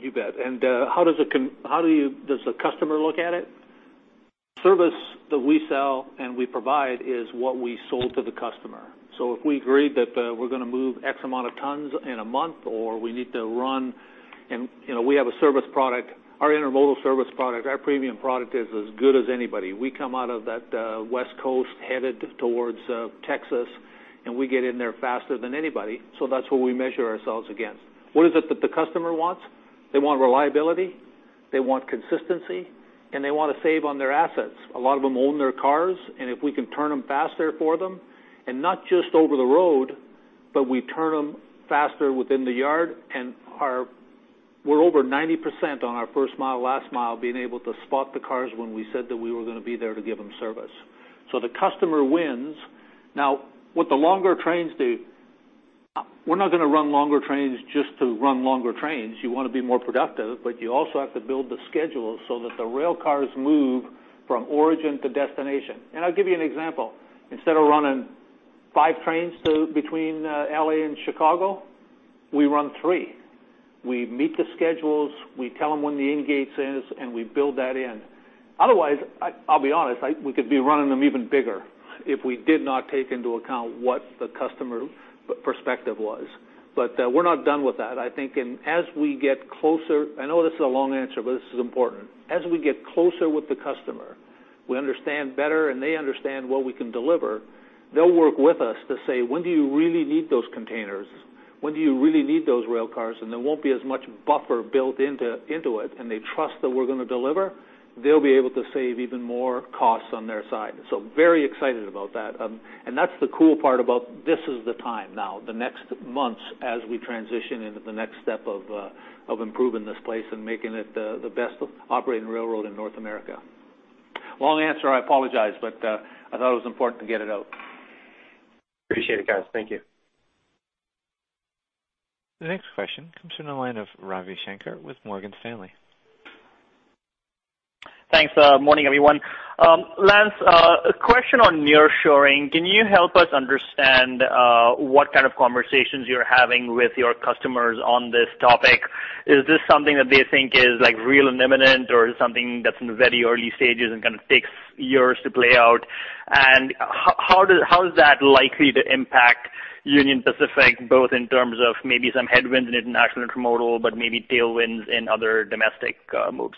You bet. How does the customer look at it? Service that we sell and we provide is what we sold to the customer. If we agreed that we're going to move X amount of tons in a month or we have a service product. Our intermodal service product, our premium product is as good as anybody. We come out of that West Coast headed towards Texas, and we get in there faster than anybody, so that's what we measure ourselves against. What is it that the customer wants? They want reliability, they want consistency, and they want to save on their assets. A lot of them own their cars. If we can turn them faster for them, and not just over the road, but we turn them faster within the yard and we're over 90% on our first mile, last mile, being able to spot the cars when we said that we were going to be there to give them service. The customer wins. Now, what the longer trains do, we're not going to run longer trains just to run longer trains. You want to be more productive, you also have to build the schedule so that the rail cars move from origin to destination. I'll give you an example. Instead of running five trains between L.A. and Chicago, we run three. We meet the schedules, we tell them when the ingates is. We build that in. Otherwise, I'll be honest, we could be running them even bigger. If we did not take into account what the customer perspective was. We're not done with that. I know this is a long answer, but this is important. As we get closer with the customer, we understand better and they understand what we can deliver, they'll work with us to say, "When do you really need those containers? When do you really need those rail cars?" There won't be as much buffer built into it, and they trust that we're going to deliver, they'll be able to save even more costs on their side. Very excited about that. That's the cool part about this is the time now, the next months, as we transition into the next step of improving this place and making it the best operating railroad in North America. Long answer, I apologize, but I thought it was important to get it out. Appreciate it, guys. Thank you. The next question comes from the line of Ravi Shanker with Morgan Stanley. Thanks. Morning, everyone. Lance, a question on nearshoring. Can you help us understand what kind of conversations you're having with your customers on this topic? Is this something that they think is real and imminent or something that's in the very early stages and kind of takes years to play out? How is that likely to impact Union Pacific, both in terms of maybe some headwinds in international intermodal, but maybe tailwinds in other domestic moves?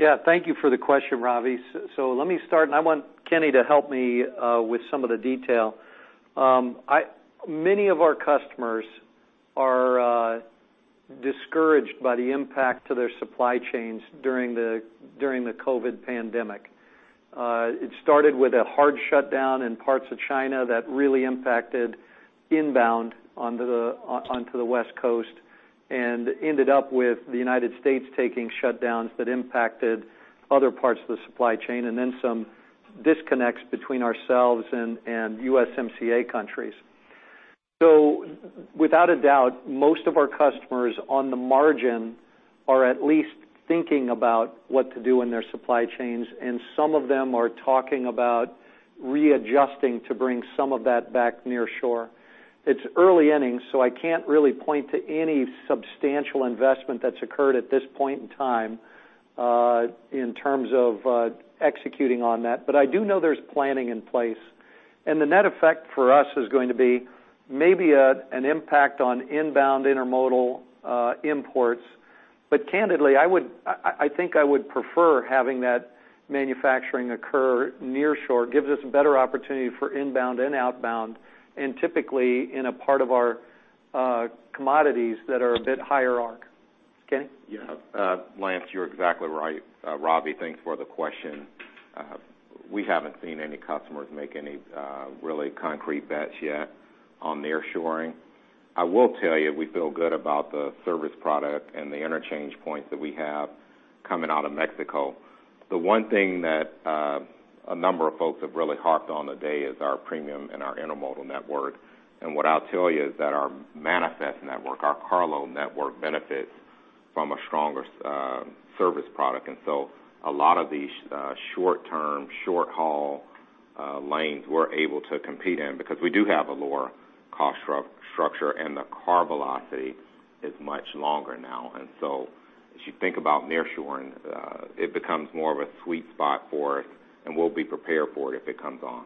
Yeah, thank you for the question, Ravi. Let me start, and I want Kenny to help me with some of the detail. Many of our customers are discouraged by the impact to their supply chains during the COVID pandemic. It started with a hard shutdown in parts of China that really impacted inbound onto the West Coast, and ended up with the United States taking shutdowns that impacted other parts of the supply chain, and then some disconnects between ourselves and USMCA countries. Without a doubt, most of our customers on the margin are at least thinking about what to do in their supply chains, and some of them are talking about readjusting to bring some of that back near shore. It's early innings, so I can't really point to any substantial investment that's occurred at this point in time in terms of executing on that. I do know there's planning in place. The net effect for us is going to be maybe an impact on inbound intermodal imports. Candidly, I think I would prefer having that manufacturing occur near shore, gives us a better opportunity for inbound and outbound, and typically in a part of our commodities that are a bit higher ARC. Kenny? Yeah, Lance, you're exactly right. Ravi, thanks for the question. We haven't seen any customers make any really concrete bets yet on nearshoring. I will tell you, we feel good about the service product and the interchange points that we have coming out of Mexico. The one thing that a number of folks have really harped on today is our premium and our intermodal network. What I'll tell you is that our manifest network, our carload network, benefits from a stronger service product. A lot of these short-term, short-haul lanes we're able to compete in because we do have a lower cost structure and the car velocity is much longer now. As you think about nearshoring, it becomes more of a sweet spot for us, and we'll be prepared for it if it comes on.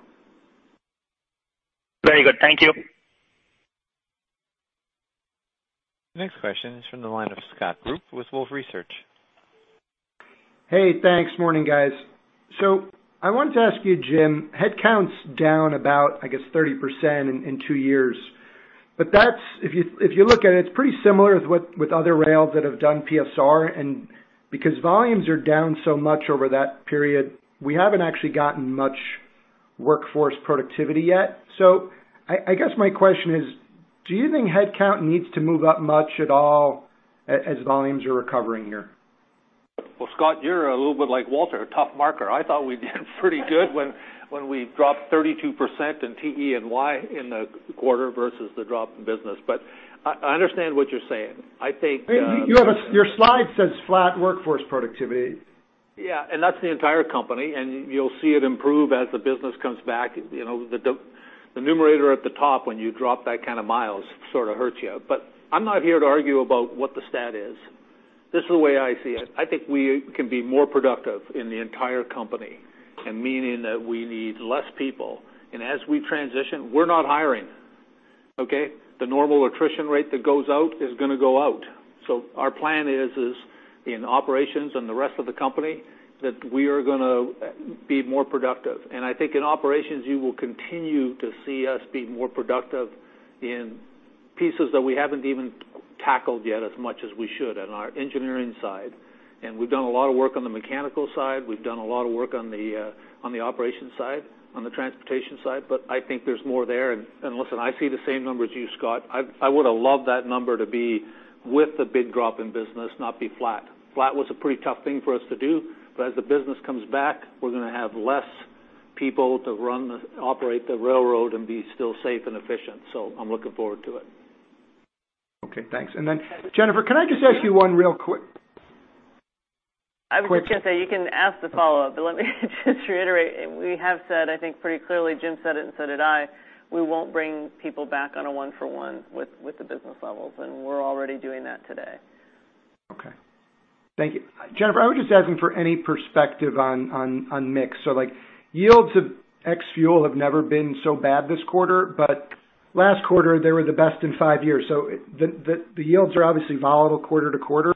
Very good. Thank you. The next question is from the line of Scott Group with Wolfe Research. Hey, thanks. Morning, guys. I wanted to ask you, Jim, headcount's down about, I guess, 30% in two years. If you look at it's pretty similar with other rails that have done PSR, and because volumes are down so much over that period, we haven't actually gotten much workforce productivity yet. I guess my question is, do you think headcount needs to move up much at all as volumes are recovering here? Well, Scott, you're a little bit like Walter, a tough marker. I thought we did pretty good when we dropped 32% in TE&Y in the quarter versus the drop in business. I understand what you're saying. Your slide says flat workforce productivity. Yeah, that's the entire company, and you'll see it improve as the business comes back. The numerator at the top, when you drop that kind of miles, sort of hurts you. I'm not here to argue about what the stat is. This is the way I see it. I think we can be more productive in the entire company, and meaning that we need less people. As we transition, we're not hiring. Okay? The normal attrition rate that goes out is going to go out. Our plan is in operations and the rest of the company, that we are going to be more productive. I think in operations, you will continue to see us be more productive in pieces that we haven't even tackled yet as much as we should on our engineering side. We've done a lot of work on the mechanical side. We've done a lot of work on the operations side, on the transportation side, I think there's more there. Listen, I see the same number as you, Scott. I would have loved that number to be with the big drop in business, not be flat. Flat was a pretty tough thing for us to do, as the business comes back, we're going to have less people to operate the railroad and be still safe and efficient. I'm looking forward to it. Okay, thanks. Jennifer, can I just ask you one real quick? I was just going to say, you can ask the follow-up, but let me just reiterate, we have said, I think pretty clearly, Jim said it and so did I, we won't bring people back on a one for one with the business levels, and we're already doing that today. Okay. Thank you. Jennifer, I was just asking for any perspective on mix. Yields of ex fuel have never been so bad this quarter, but last quarter they were the best in five years. The yields are obviously volatile quarter-to-quarter.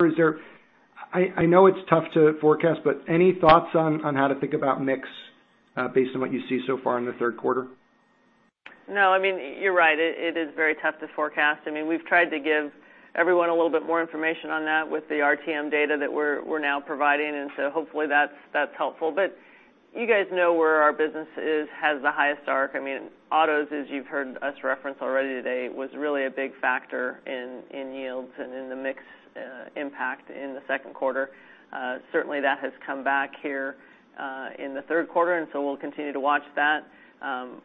I know it's tough to forecast, but any thoughts on how to think about mix based on what you see so far in the third quarter? No, you're right. It is very tough to forecast. We've tried to give everyone a little bit more information on that with the RTM data that we're now providing. Hopefully that's helpful. You guys know where our business is, has the highest ARC. Autos, as you've heard us reference already today, was really a big factor in yields and in the mix impact in the second quarter. Certainly, that has come back here in the third quarter. We'll continue to watch that.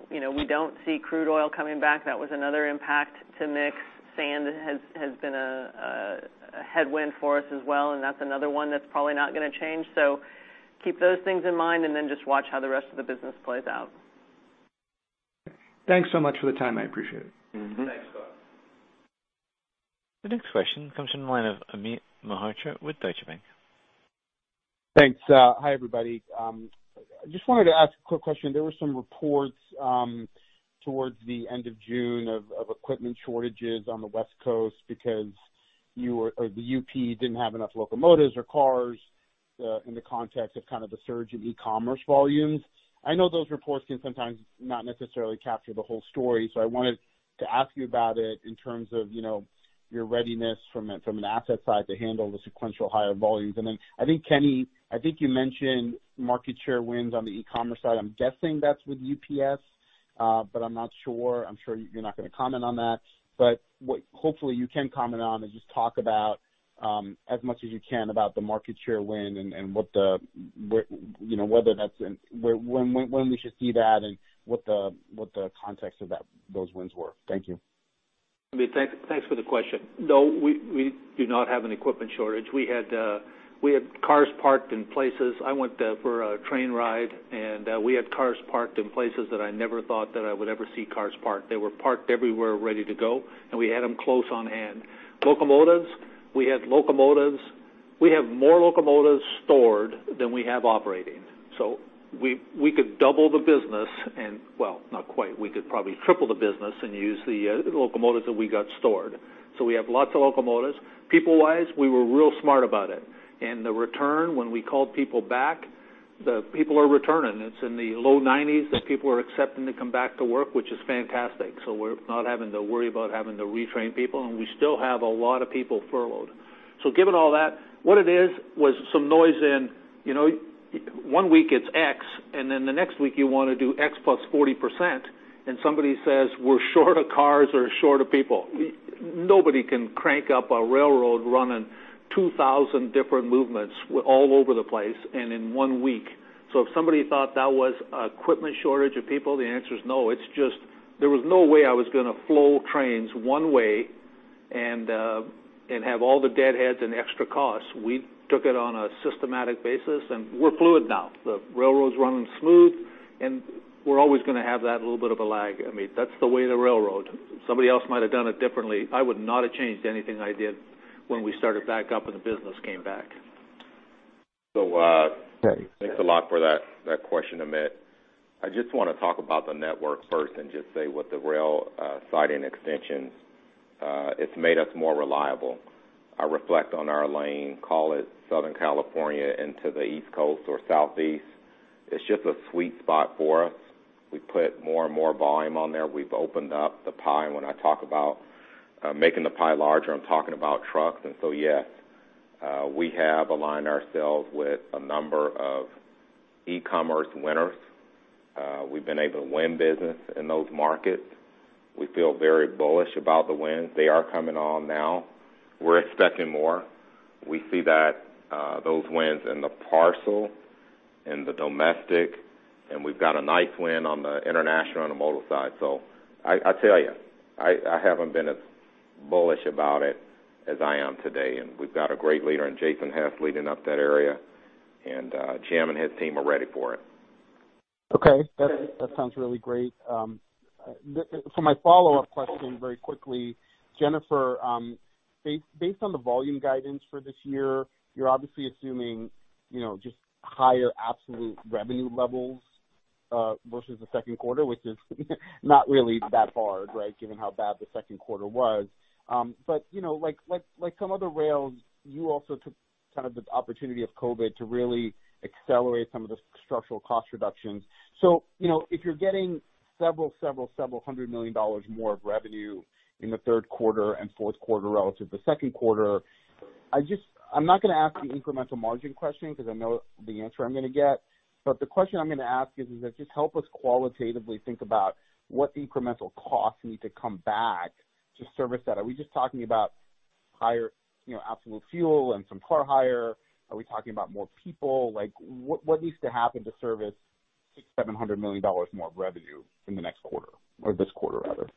We don't see crude oil coming back. That was another impact to mix. Sand has been a headwind for us as well. That's another one that's probably not going to change. Keep those things in mind. Just watch how the rest of the business plays out. Thanks so much for the time. I appreciate it. Thanks, Scott. The next question comes from the line of Amit Mehrotra with Deutsche Bank. Thanks. Hi, everybody. Just wanted to ask a quick question. There were some reports towards the end of June of equipment shortages on the West Coast because the UP didn't have enough locomotives or cars in the context of the surge in e-commerce volumes. I wanted to ask you about it in terms of your readiness from an asset side to handle the sequential higher volumes. I think, Kenny, I think you mentioned market share wins on the e-commerce side. I'm guessing that's with UPS, I'm not sure. I'm sure you're not going to comment on that. What hopefully you can comment on is just talk about, as much as you can, about the market share win and when we should see that and what the context of those wins were. Thank you. Amit, thanks for the question. We do not have an equipment shortage. We had cars parked in places. I went for a train ride, and we had cars parked in places that I never thought that I would ever see cars parked. They were parked everywhere ready to go, and we had them close on hand. Locomotives, we have more locomotives stored than we have operating. We could double the business and, well, not quite. We could probably triple the business and use the locomotives that we got stored. We have lots of locomotives. People-wise, we were real smart about it. The return, when we called people back, the people are returning. It's in the low 90s that people are accepting to come back to work, which is fantastic. We're not having to worry about having to retrain people, and we still have a lot of people furloughed. Given all that, what it is was some noise in one week it's X, and then the next week you want to do X +40%, and somebody says, "We're short of cars or short of people." Nobody can crank up a railroad running 2,000 different movements all over the place and in one week. If somebody thought that was equipment shortage of people, the answer is no. There was no way I was going to flow trains one way and have all the deadheads and extra costs. We took it on a systematic basis, and we're fluid now. The railroad's running smooth, and we're always going to have that little bit of a lag. That's the way of the railroad. Somebody else might have done it differently. I would not have changed anything I did when we started back up and the business came back. Okay. Thanks a lot for that question, Amit. I just want to talk about the network first and just say with the rail siding extensions, it's made us more reliable. I reflect on our lane, call it Southern California into the East Coast or Southeast. It's just a sweet spot for us. We put more and more volume on there. We've opened up the pie. When I talk about making the pie larger, I'm talking about trucks. Yes, we have aligned ourselves with a number of e-commerce winners. We've been able to win business in those markets. We feel very bullish about the wins. They are coming on now. We're expecting more. We see those wins in the parcel, in the domestic, and we've got a nice win on the international intermodal side. I tell you, I haven't been as bullish about it as I am today, and we've got a great leader in Jason Hess leading up that area, and Jim and his team are ready for it. Okay. That sounds really great. For my follow-up question, very quickly, Jennifer, based on the volume guidance for this year, you're obviously assuming just higher absolute revenue levels versus the second quarter, which is not really that hard, right? Given how bad the second quarter was. Like some other rails, you also took the opportunity of COVID-19 to really accelerate some of the structural cost reductions. If you're getting several several several hundred million more of revenue in the third quarter and fourth quarter relative to second quarter, I'm not going to ask the incremental margin question because I know the answer I'm going to get, the question I'm going to ask is just help us qualitatively think about what incremental costs need to come back to service that. Are we just talking about higher absolute fuel and some car hire? Are we talking about more people? What needs to happen to service $600 million, $700 million more of revenue in the next quarter, or this quarter, rather?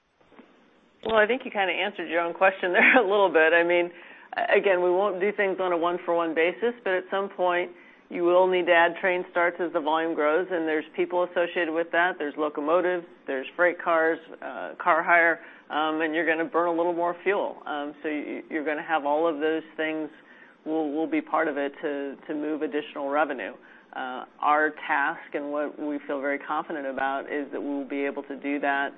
Well, I think you kind of answered your own question there a little bit. Again, we won't do things on a one-for-one basis, but at some point, you will need to add train starts as the volume grows, and there's people associated with that. There's locomotives, there's freight cars, car hire, and you're going to burn a little more fuel. You're going to have all of those things will be part of it to move additional revenue. Our task and what we feel very confident about is that we will be able to do that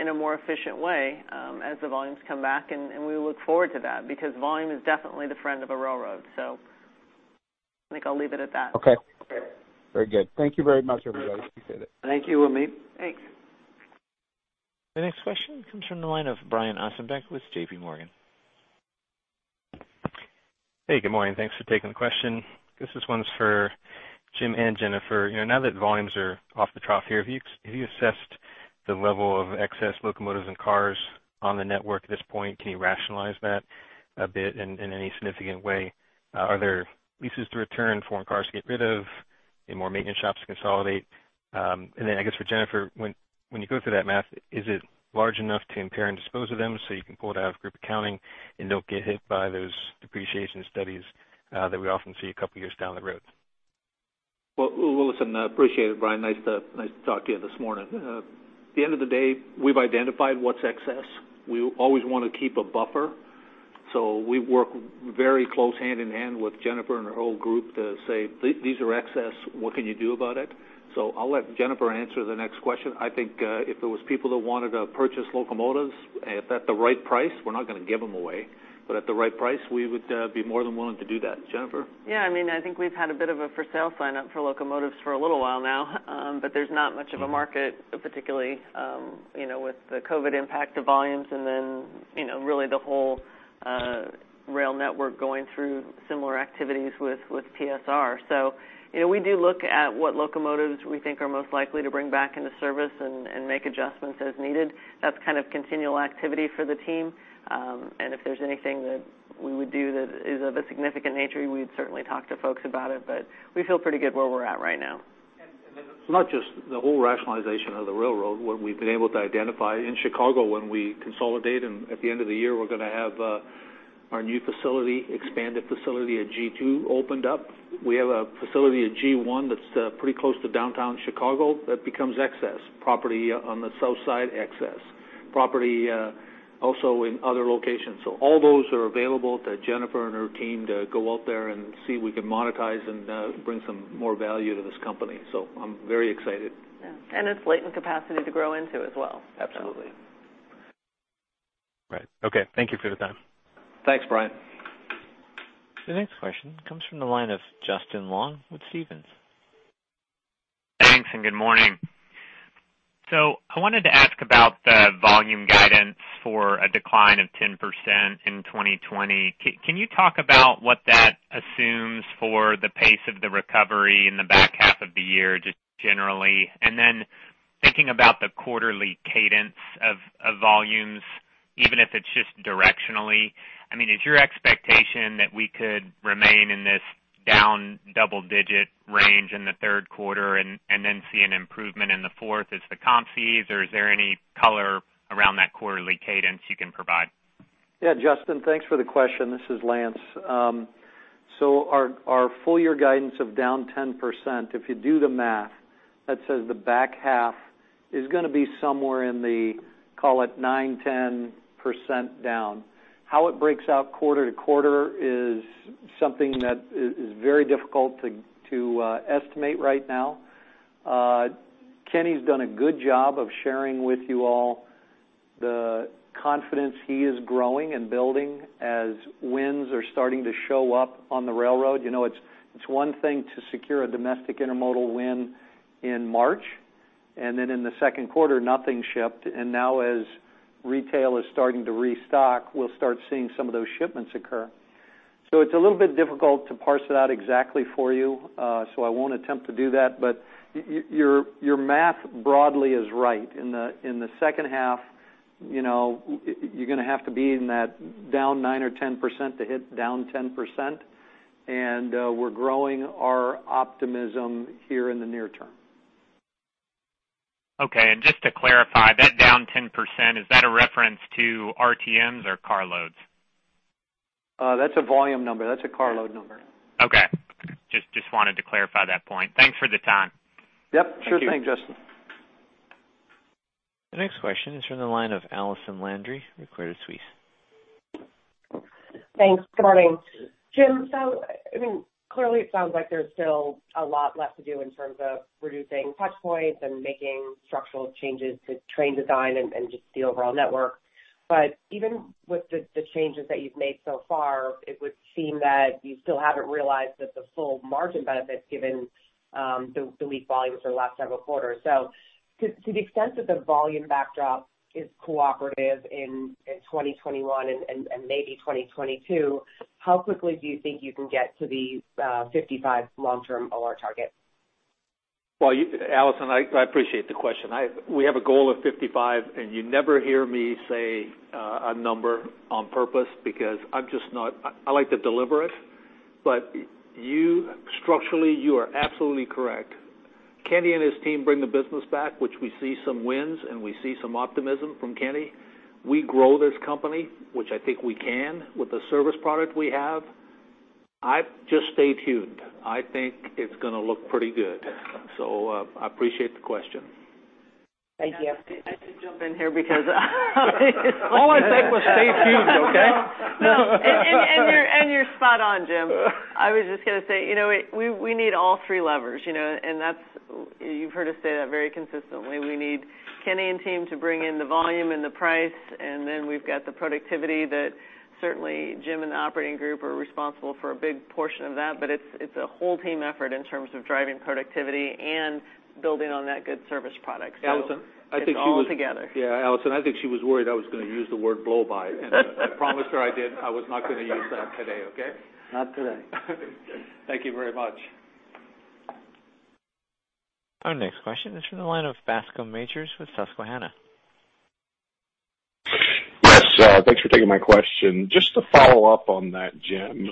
in a more efficient way as the volumes come back, and we look forward to that because volume is definitely the friend of a railroad. I think I'll leave it at that. Okay. Very good. Thank you very much, everybody. Appreciate it. Thank you, Amit. Thanks. The next question comes from the line of Brian Ossenbeck with JPMorgan. Hey, good morning. Thanks for taking the question. This one's for Jim and Jennifer. Now that volumes are off the trough here, have you assessed the level of excess locomotives and cars on the network at this point? Can you rationalize that a bit in any significant way? Are there leases to return, foreign cars to get rid of, any more maintenance shops to consolidate? Then, I guess for Jennifer, when you go through that math, is it large enough to impair and dispose of them so you can pull it out of group accounting and don't get hit by those depreciation studies that we often see a couple of years down the road? Well, listen, I appreciate it, Brian. Nice to talk to you this morning. At the end of the day, we've identified what's excess. We always want to keep a buffer. We work very close hand in hand with Jennifer and her whole group to say, "These are excess. What can you do about it?" I'll let Jennifer answer the next question. I think if there was people that wanted to purchase locomotives at the right price, we're not going to give them away, but at the right price, we would be more than willing to do that. Jennifer? I think we've had a bit of a for sale sign up for locomotives for a little while now, but there's not much of a market, particularly, with the COVID-19 impact to volumes and then really the whole rail network going through similar activities with PSR. We do look at what locomotives we think are most likely to bring back into service and make adjustments as needed. That's kind of continual activity for the team. If there's anything that we would do that is of a significant nature, we'd certainly talk to folks about it, but we feel pretty good where we're at right now. It's not just the whole rationalization of the railroad, what we've been able to identify in Chicago when we consolidate and at the end of the year, we're going to have our new facility, expanded facility at G2 opened up. We have a facility at G1 that's pretty close to downtown Chicago that becomes excess property on the South Side, excess property also in other locations. All those are available to Jennifer and her team to go out there and see if we can monetize and bring some more value to this company. I'm very excited. Yeah. It's latent capacity to grow into as well. Absolutely. Right. Okay. Thank you for the time. Thanks, Brian. The next question comes from the line of Justin Long with Stephens. Thanks, good morning. I wanted to ask about the volume guidance for a decline of 10% in 2020. Can you talk about what that assumes for the pace of the recovery in the back half of the year, just generally? Thinking about the quarterly cadence of volumes, even if it's just directionally, is your expectation that we could remain in this down double-digit range in the third quarter and then see an improvement in the fourth as the comps ease, or is there any color around that quarterly cadence you can provide? Yeah, Justin, thanks for the question. This is Lance. Our full year guidance of down 10%, if you do the math, that says the back half is going to be somewhere in the, call it, 9%, 10% down. How it breaks out quarter to quarter is something that is very difficult to estimate right now. Kenny's done a good job of sharing with you all the confidence he is growing and building as wins are starting to show up on the railroad. It's one thing to secure a domestic intermodal win in March, then in the second quarter, nothing shipped. Now as retail is starting to restock, we'll start seeing some of those shipments occur. It's a little bit difficult to parse it out exactly for you, so I won't attempt to do that. Your math broadly is right. In the second half, you're going to have to be in that down 9% or 10% to hit down 10%. We're growing our optimism here in the near term. Okay, just to clarify, that down 10%, is that a reference to RTMs or car loads? That's a volume number. That's a car load number. Okay. Just wanted to clarify that point. Thanks for the time. Yep. Sure thing, Justin. The next question is from the line of Allison Landry with Credit Suisse. Thanks. Good morning. Jim, clearly it sounds like there's still a lot left to do in terms of reducing touch points and making structural changes to train design and just the overall network. Even with the changes that you've made so far, it would seem that you still haven't realized that the full margin benefits given the weak volumes for the last several quarters. To the extent that the volume backdrop is cooperative in 2021 and maybe 2022, how quickly do you think you can get to these 55 long-term OR targets? Well, Allison, I appreciate the question. We have a goal of 55, and you never hear me say a number on purpose because I like to deliver it. Structurally, you are absolutely correct. Kenny and his team bring the business back, which we see some wins, and we see some optimism from Kenny. We grow this company, which I think we can with the service product we have. Just stay tuned. I think it's going to look pretty good. I appreciate the question. Thank you. I should jump in here because. All I said was stay tuned, okay? You're spot on, Jim. I was just going to say, we need all three levers, and you've heard us say that very consistently. We need Kenny and team to bring in the volume and the price, and then we've got the productivity that certainly Jim and the operating group are responsible for a big portion of that. It's a whole team effort in terms of driving productivity and building on that good service product. Yeah, Allison, I think she was worried I was going to use the word blow by, and I promised her I was not going to use that today, okay? Not today. Thank you very much. Our next question is from the line of Bascome Majors with Susquehanna. Yeah, thanks for taking my question. Just to follow up on that, Jim,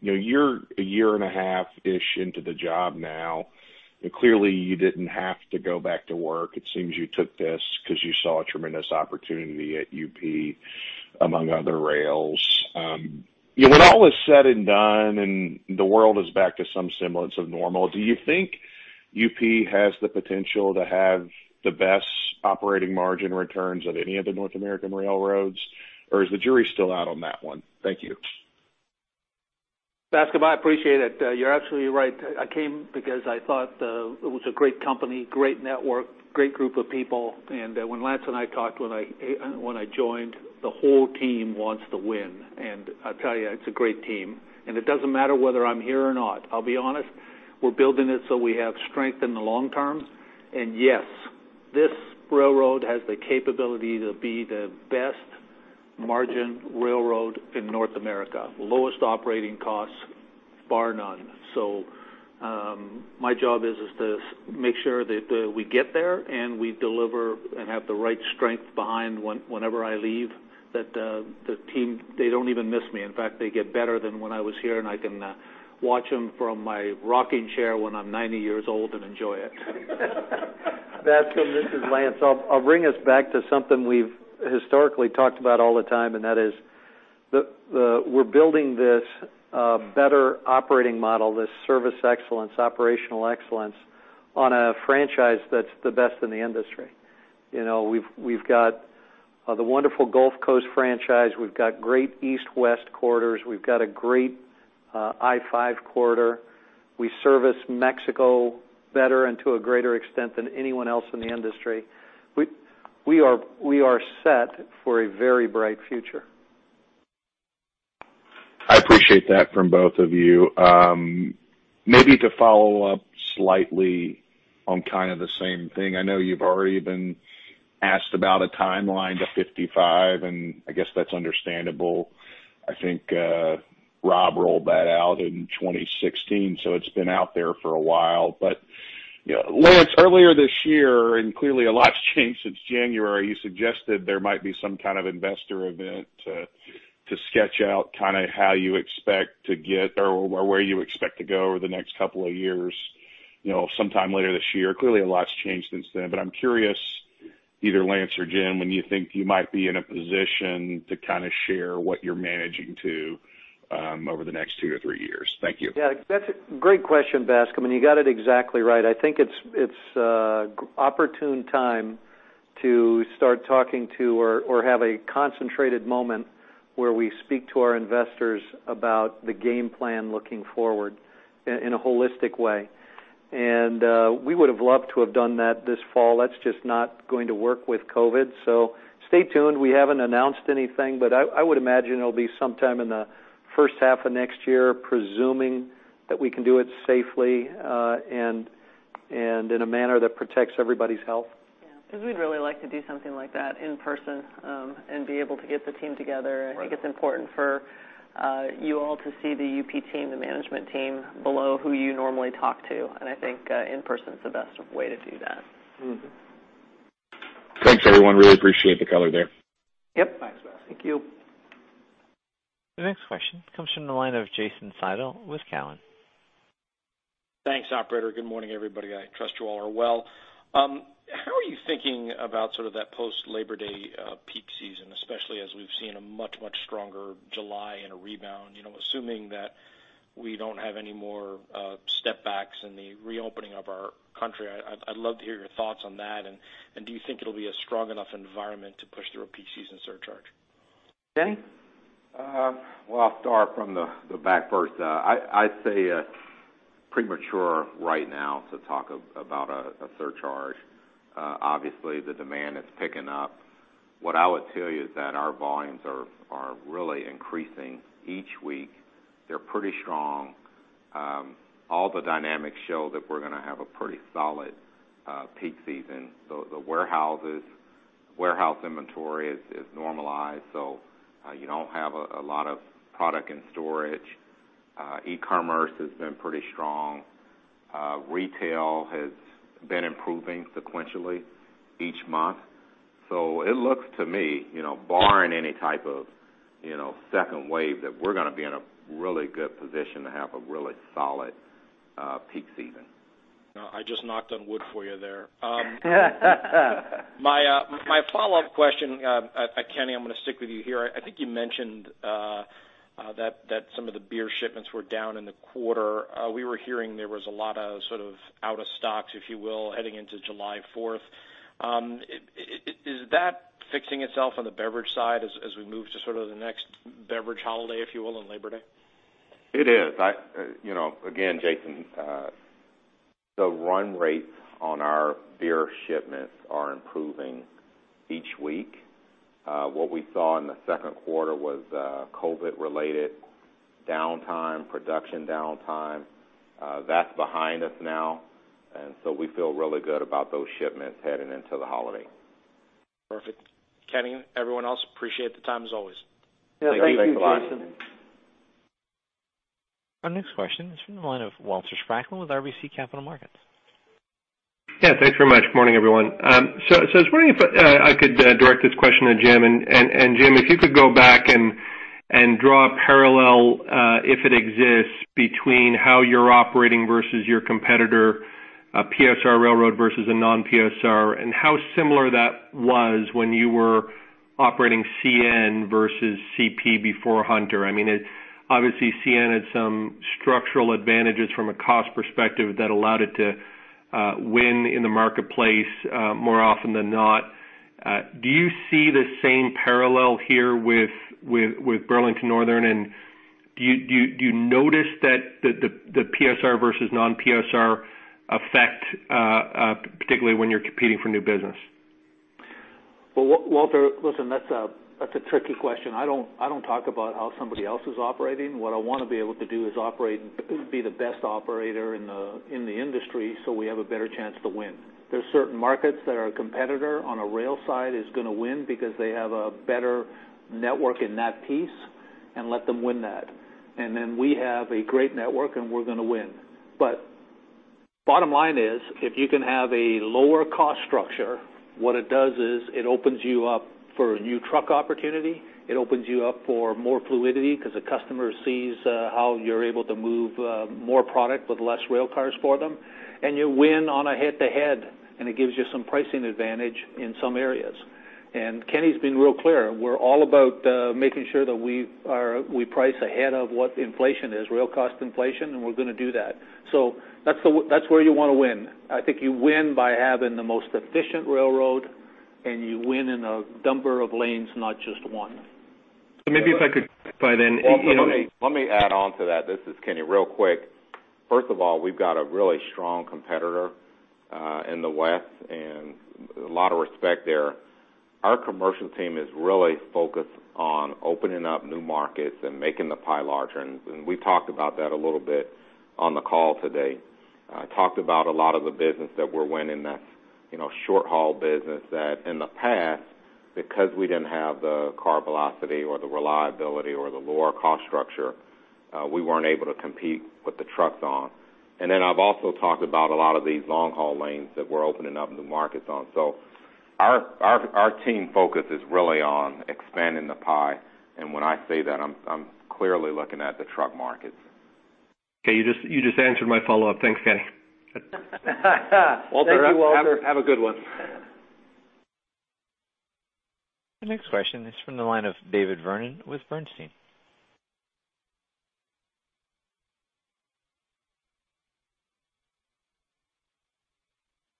you're a year and a half-ish into the job now. Clearly, you didn't have to go back to work. It seems you took this because you saw a tremendous opportunity at UP, among other rails. When all is said and done, and the world is back to some semblance of normal, do you think UP has the potential to have the best operating margin returns of any of the North American railroads? Is the jury still out on that one? Thank you. Bascome, I appreciate it. You're absolutely right. I came because I thought it was a great company, great network, great group of people. When Lance and I talked, when I joined, the whole team wants to win, and I tell you, it's a great team. It doesn't matter whether I'm here or not. I'll be honest, we're building it so we have strength in the long term. Yes, this railroad has the capability to be the best margin railroad in North America. Lowest operating costs, bar none. My job is to make sure that we get there, and we deliver and have the right strength behind whenever I leave, that the team, they don't even miss me. In fact, they get better than when I was here, and I can watch them from my rocking chair when I'm 90 years old and enjoy it. Bascome, this is Lance. I'll bring us back to something we've historically talked about all the time, that is we're building this better operating model, this service excellence, operational excellence on a franchise that's the best in the industry. We've got the wonderful Gulf Coast franchise. We've got great East West corridors. We've got a great I-5 corridor. We service Mexico better and to a greater extent than anyone else in the industry. We are set for a very bright future. I appreciate that from both of you. Maybe to follow up slightly on kind of the same thing. I know you've already been asked about a timeline to 55, and I guess that's understandable. I think Rob rolled that out in 2016, so it's been out there for a while. Lance, earlier this year, and clearly a lot's changed since January, you suggested there might be some kind of investor event to sketch out how you expect to get or where you expect to go over the next couple of years, sometime later this year. Clearly, a lot's changed since then. I'm curious, either Lance or Jim, when you think you might be in a position to share what you're managing to over the next two to three years. Thank you. Yeah, that's a great question, Bascome, and you got it exactly right. I think it's an opportune time to start talking to or have a concentrated moment where we speak to our investors about the game plan looking forward in a holistic way. We would have loved to have done that this fall. That's just not going to work with COVID-19. Stay tuned. We haven't announced anything, but I would imagine it'll be sometime in the first half of next year, presuming that we can do it safely, and in a manner that protects everybody's health. Yeah. We'd really like to do something like that in person, and be able to get the team together. Right. I think it's important for you all to see the UP team, the management team below who you normally talk to. I think in-person's the best way to do that. Thanks, everyone. Really appreciate the color there. Yep. Thanks, Bascome. Thank you. The next question comes from the line of Jason Seidl with Cowen. Thanks, operator. Good morning, everybody. I trust you all are well. How are you thinking about that post Labor Day peak season, especially as we've seen a much, much stronger July and a rebound, assuming that we don't have any more step-backs in the reopening of our country? I'd love to hear your thoughts on that. Do you think it'll be a strong enough environment to push through a peak season surcharge? Kenny? I'll start from the back first. I'd say premature right now to talk about a surcharge. Obviously, the demand is picking up. What I would tell you is that our volumes are really increasing each week. They're pretty strong. All the dynamics show that we're going to have a pretty solid peak season. The warehouse inventory is normalized, so you don't have a lot of product in storage. E-commerce has been pretty strong. Retail has been improving sequentially each month. It looks to me, barring any type of second wave, that we're going to be in a really good position to have a really solid peak season. I just knocked on wood for you there. My follow-up question, Kenny, I'm going to stick with you here. I think you mentioned that some of the beer shipments were down in the quarter. We were hearing there was a lot of out of stocks, if you will, heading into July 4th, 2020. Is that fixing itself on the beverage side as we move to the next beverage holiday, if you will, on Labor Day? It is. Again, Jason, the run rates on our beer shipments are improving each week. What we saw in the second quarter was COVID related downtime, production downtime. That's behind us now. We feel really good about those shipments heading into the holiday. Perfect. Kenny, everyone else, appreciate the time as always. Yeah, thank you, Jason. Thanks a lot. Our next question is from the line of Walter Spracklin with RBC Capital Markets. Yeah, thanks very much. Morning, everyone. I was wondering if I could direct this question to Jim, and Jim, if you could go back and draw a parallel, if it exists, between how you're operating versus your competitor, PSR Railroad versus a non-PSR, and how similar that was when you were operating CN versus CP before Hunter. Obviously CN had some structural advantages from a cost perspective that allowed it to win in the marketplace more often than not. Do you see the same parallel here with Burlington Northern, and do you notice that the PSR versus non-PSR effect, particularly when you're competing for new business? Walter, listen, that's a tricky question. I don't talk about how somebody else is operating. What I want to be able to do is be the best operator in the industry so we have a better chance to win. There are certain markets that our competitor on a rail side is going to win because they have a better network in that piece, and let them win that. Then we have a great network, and we're going to win. Bottom line is, if you can have a lower cost structure, what it does is it opens you up for a new truck opportunity. It opens you up for more fluidity because a customer sees how you're able to move more product with less rail cars for them, and you win on a head-to-head, and it gives you some pricing advantage in some areas. Kenny's been real clear. We're all about making sure that we price ahead of what inflation is, real cost inflation, and we're going to do that. That's where you want to win. I think you win by having the most efficient railroad, and you win in a number of lanes, not just one. So maybe if I could then. Walter, let me add on to that. This is Kenny. Real quick, first of all, we've got a really strong competitor in the West, and a lot of respect there. Our commercial team is really focused on opening up new markets and making the pie larger, and we talked about that a little bit on the call today. Talked about a lot of the business that we're winning, that short haul business that in the past, because we didn't have the car velocity or the reliability or the lower cost structure, we weren't able to compete with the trucks on. I've also talked about a lot of these long haul lanes that we're opening up new markets on. Our team focus is really on expanding the pie, and when I say that, I'm clearly looking at the truck markets. Okay, you just answered my follow-up. Thanks, Kenny. Thank you, Walter. Have a good one. The next question is from the line of David Vernon with Bernstein.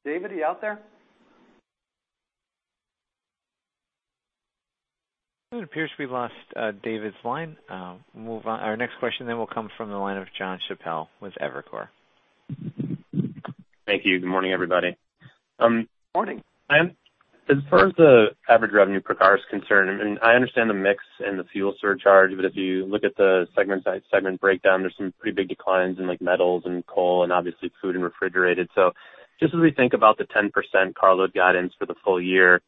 David, are you out there? It appears we lost David's line. Our next question will come from the line of Jon Chappell with Evercore. Thank you. Good morning, everybody. Morning. As far as the average revenue per car is concerned, I understand the mix and the fuel surcharge. If you look at the segment breakdown, there's some pretty big declines in metals and coal and obviously food and refrigerated. Just as we think about the 10% car load guidance for the full year,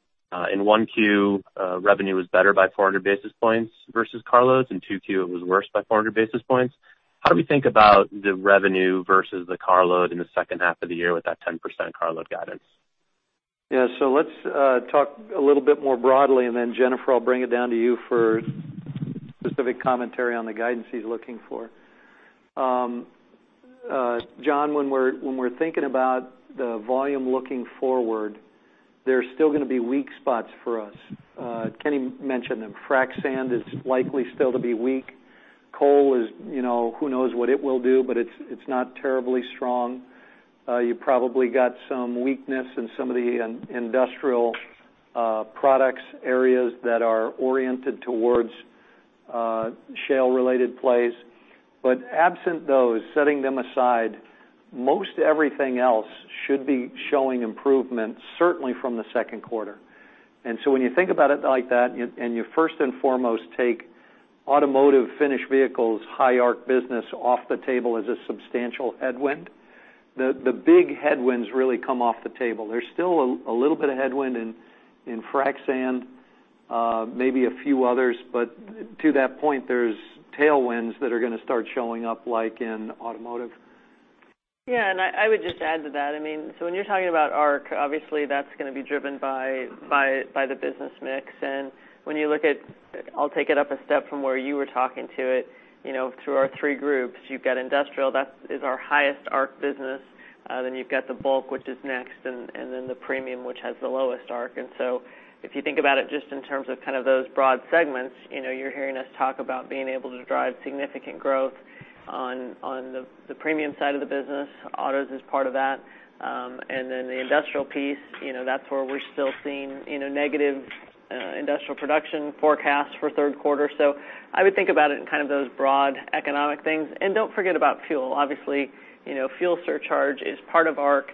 in 1Q, revenue was better by 400 basis points versus car loads, in 2Q, it was worse by 400 basis points. How do we think about the revenue versus the car load in the second half of the year with that 10% car load guidance? Let's talk a little bit more broadly, and then Jennifer, I'll bring it down to you for specific commentary on the guidance he's looking for. Jon, when we're thinking about the volume looking forward, there's still going to be weak spots for us. Kenny mentioned them. frac sand is likely still to be weak. Coal is, who knows what it will do, but it's not terribly strong. You probably got some weakness in some of the industrial products areas that are oriented towards shale related plays. Absent those, setting them aside, most everything else should be showing improvement, certainly from the second quarter. When you think about it like that and you first and foremost take automotive finished vehicles, high ARC business off the table as a substantial headwind, the big headwinds really come off the table. There's still a little bit of headwind in frac sand, maybe a few others. To that point, there's tailwinds that are going to start showing up, like in automotive. I would just add to that. When you're talking about ARC, obviously that's going to be driven by the business mix. When you look at, I'll take it up a step from where you were talking to it, through our three groups, you've got industrial, that is our highest ARC business. Then you've got the bulk, which is next, and then the premium, which has the lowest ARC. If you think about it just in terms of those broad segments, you're hearing us talk about being able to drive significant growth on the premium side of the business. Autos is part of that. Then the industrial piece, that's where we're still seeing negative industrial production forecasts for the third quarter. I would think about it in kind of those broad economic things. Don't forget about fuel. Obviously, fuel surcharge is part of ARC.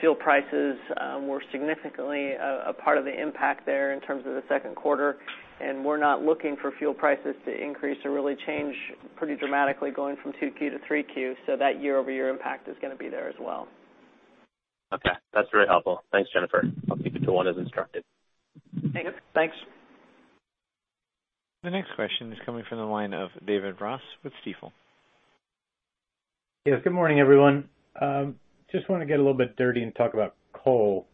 Fuel prices were significantly a part of the impact there in terms of the second quarter. We're not looking for fuel prices to increase or really change pretty dramatically going from 2Q to 3Q. That year-over-year impact is going to be there as well. Okay. That's very helpful. Thanks, Jennifer. I'll keep it to one as instructed. Thanks. The next question is coming from the line of David Ross with Stifel. Yes, good morning, everyone. Just want to get a little bit dirty and talk about coal.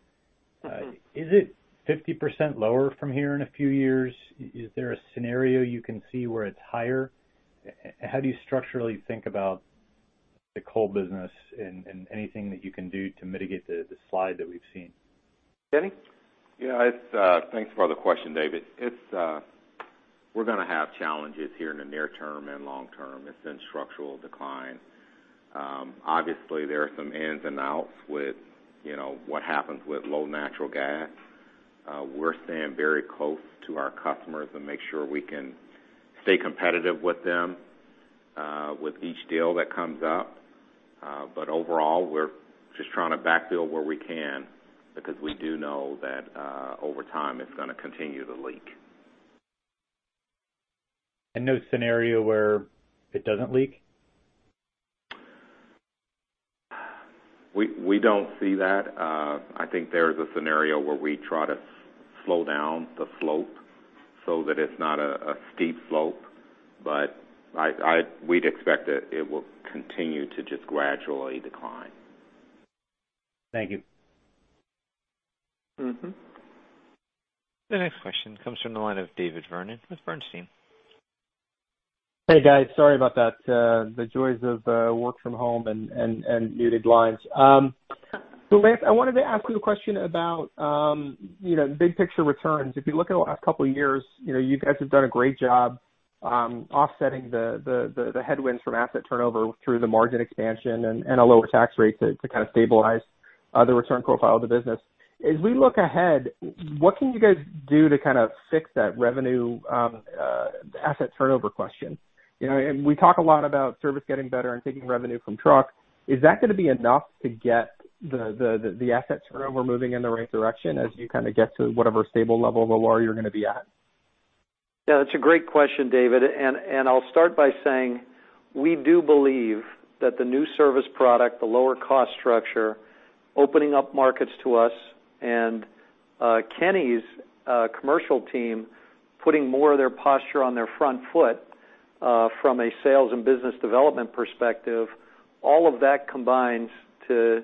Is it 50% lower from here in a few years? Is there a scenario you can see where it's higher? How do you structurally think about the coal business and anything that you can do to mitigate the slide that we've seen? Kenny? Yeah. Thanks for the question, David. We're going to have challenges here in the near term and long term. It's in structural decline. Obviously, there are some ins and outs with what happens with low natural gas. We're staying very close to our customers to make sure we can stay competitive with them with each deal that comes up. Overall, we're just trying to backfill where we can, because we do know that over time it's going to continue to leak. No scenario where it doesn't leak? We don't see that. I think there is a scenario where we try to slow down the slope so that it's not a steep slope. We'd expect that it will continue to just gradually decline. Thank you. The next question comes from the line of David Vernon with Bernstein. Hey, guys, sorry about that. The joys of work from home and muted lines. Lance, I wanted to ask you a question about big picture returns. If you look at the last couple of years, you guys have done a great job offsetting the headwinds from asset turnover through the margin expansion and a lower tax rate to kind of stabilize the return profile of the business. As we look ahead, what can you guys do to kind of fix that revenue asset turnover question? We talk a lot about service getting better and taking revenue from truck. Is that going to be enough to get the asset turnover moving in the right direction as you kind of get to whatever stable level or lore you're going to be at? Yeah, that's a great question, David, and I'll start by saying we do believe that the new service product, the lower cost structure, opening up markets to us, and Kenny's commercial team putting more of their posture on their front foot from a sales and business development perspective, all of that combines to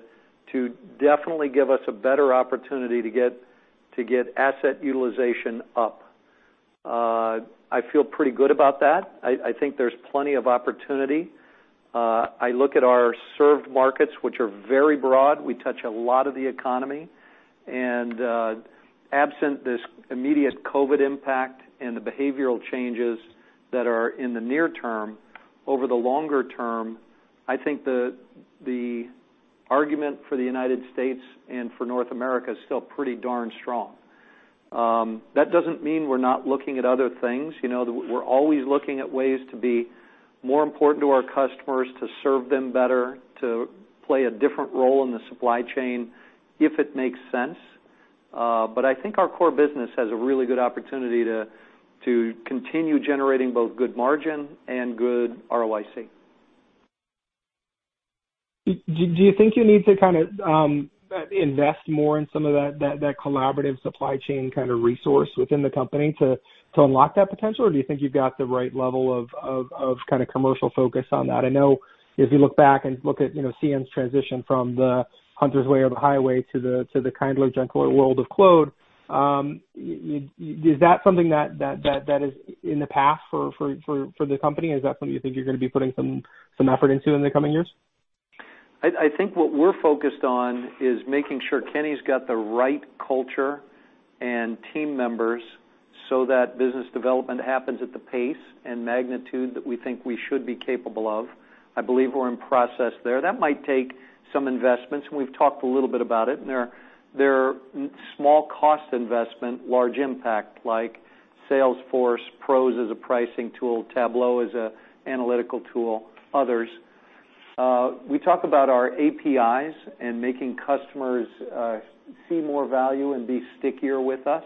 definitely give us a better opportunity to get asset utilization up. I feel pretty good about that. I think there's plenty of opportunity. I look at our served markets, which are very broad. We touch a lot of the economy. Absent this immediate COVID impact and the behavioral changes that are in the near term, over the longer term, I think the argument for the United States and for North America is still pretty darn strong. That doesn't mean we're not looking at other things. We're always looking at ways to be more important to our customers, to serve them better, to play a different role in the supply chain if it makes sense. I think our core business has a really good opportunity to continue generating both good margin and good ROIC. Do you think you need to kind of invest more in some of that collaborative supply chain kind of resource within the company to unlock that potential, or do you think you've got the right level of kind of commercial focus on that? I know if you look back and look at CN's transition from the Hunter's way or the highway to the kindler, gentler world of Claude, is that something that is in the path for the company? Is that something you think you're going to be putting some effort into in the coming years? I think what we're focused on is making sure Kenny's got the right culture and team members so that business development happens at the pace and magnitude that we think we should be capable of. I believe we're in process there. That might take some investments, and we've talked a little bit about it, and they're small cost investment, large impact like Salesforce, PROS as a pricing tool, Tableau as an analytical tool, others. We talk about our APIs and making customers see more value and be stickier with us,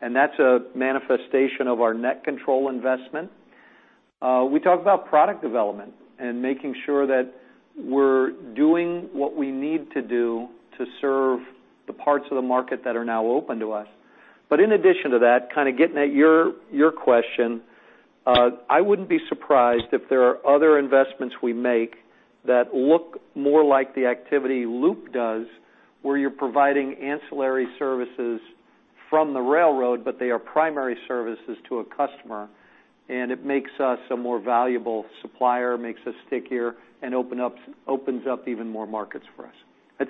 and that's a manifestation of our NetControl investment. We talk about product development and making sure that we're doing what we need to do to serve the parts of the market that are now open to us. In addition to that, kind of getting at your question, I wouldn't be surprised if there are other investments we make that look more like the activity Loup does, where you're providing ancillary services from the railroad, but they are primary services to a customer, and it makes us a more valuable supplier, makes us stickier, and opens up even more markets for us.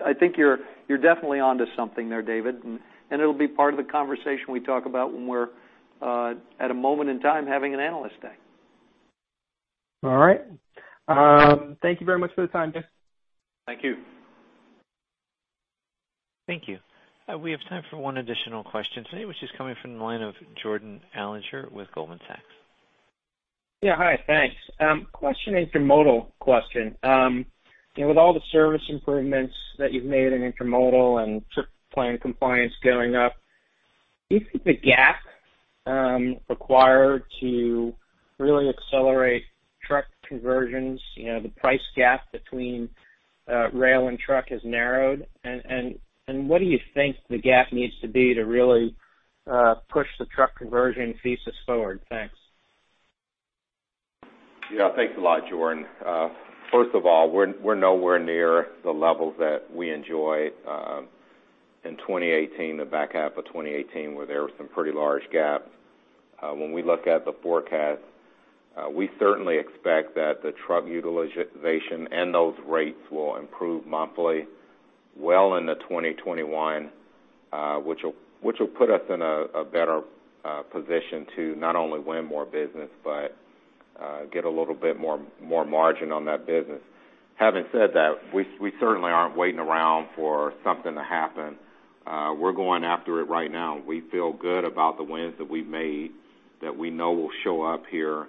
I think you're definitely onto something there, David, and it'll be part of the conversation we talk about when we're at a moment in time having an Analyst Day. All right. Thank you very much for the time, guys. Thank you. Thank you. We have time for one additional question today, which is coming from the line of Jordan Alliger with Goldman Sachs. Yeah, hi. Thanks. A question, intermodal question. With all the service improvements that you've made in intermodal and trip plan compliance going up, do you think the gap required to really accelerate truck conversions, the price gap between rail and truck has narrowed? What do you think the gap needs to be to really push the truck conversion thesis forward? Thanks. Yeah. Thanks a lot, Jordan. First of all, we're nowhere near the levels that we enjoyed in 2018, the back half of 2018, where there were some pretty large gaps. When we look at the forecast, we certainly expect that the truck utilization and those rates will improve monthly well into 2021, which will put us in a better position to not only win more business but get a little bit more margin on that business. Having said that, we certainly aren't waiting around for something to happen. We're going after it right now, and we feel good about the wins that we've made that we know will show up here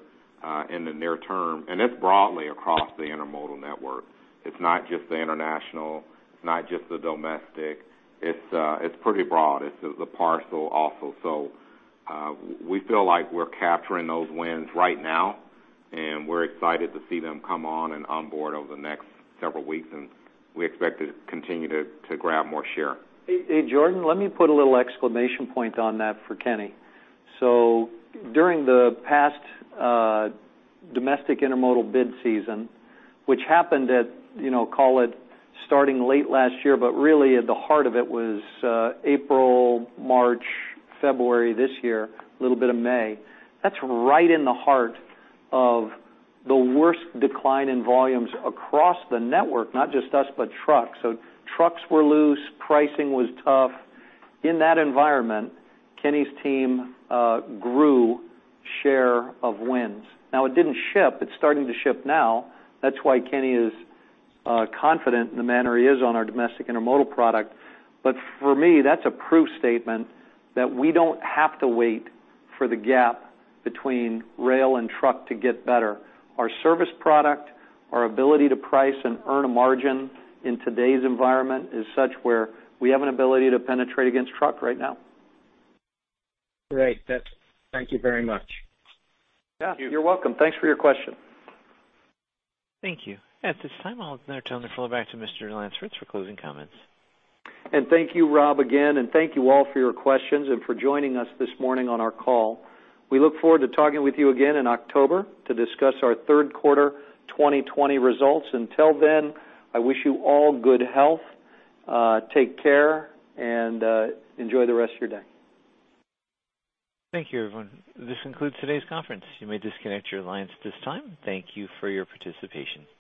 in the near term. It's broadly across the intermodal network. It's not just the international, it's not just the domestic. It's pretty broad. It's the parcel also. We feel like we're capturing those wins right now. We're excited to see them come on and onboard over the next several weeks. We expect to continue to grab more share. Hey, Jordan, let me put a little exclamation point on that for Kenny. During the past domestic intermodal bid season, which happened at, call it, starting late last year, but really at the heart of it was April, March, February this year, a little bit of May. That's right in the heart of the worst decline in volumes across the network, not just us, but trucks. Trucks were loose, pricing was tough. In that environment, Kenny's team grew share of wins. It didn't ship. It's starting to ship now. That's why Kenny is confident in the manner he is on our domestic intermodal product. For me, that's a proof statement that we don't have to wait for the gap between rail and truck to get better. Our service product, our ability to price and earn a margin in today's environment is such where we have an ability to penetrate against truck right now. Great. Thank you very much. Yeah, you're welcome. Thanks for your question. Thank you. At this time, I'll turn the call back to Mr. Lance Fritz for closing comments. Thank you, Rob, again, and thank you all for your questions and for joining us this morning on our call. We look forward to talking with you again in October to discuss our third quarter 2020 results. Until then, I wish you all good health. Take care, and enjoy the rest of your day. Thank you, everyone. This concludes today's conference. You may disconnect your lines at this time. Thank you for your participation.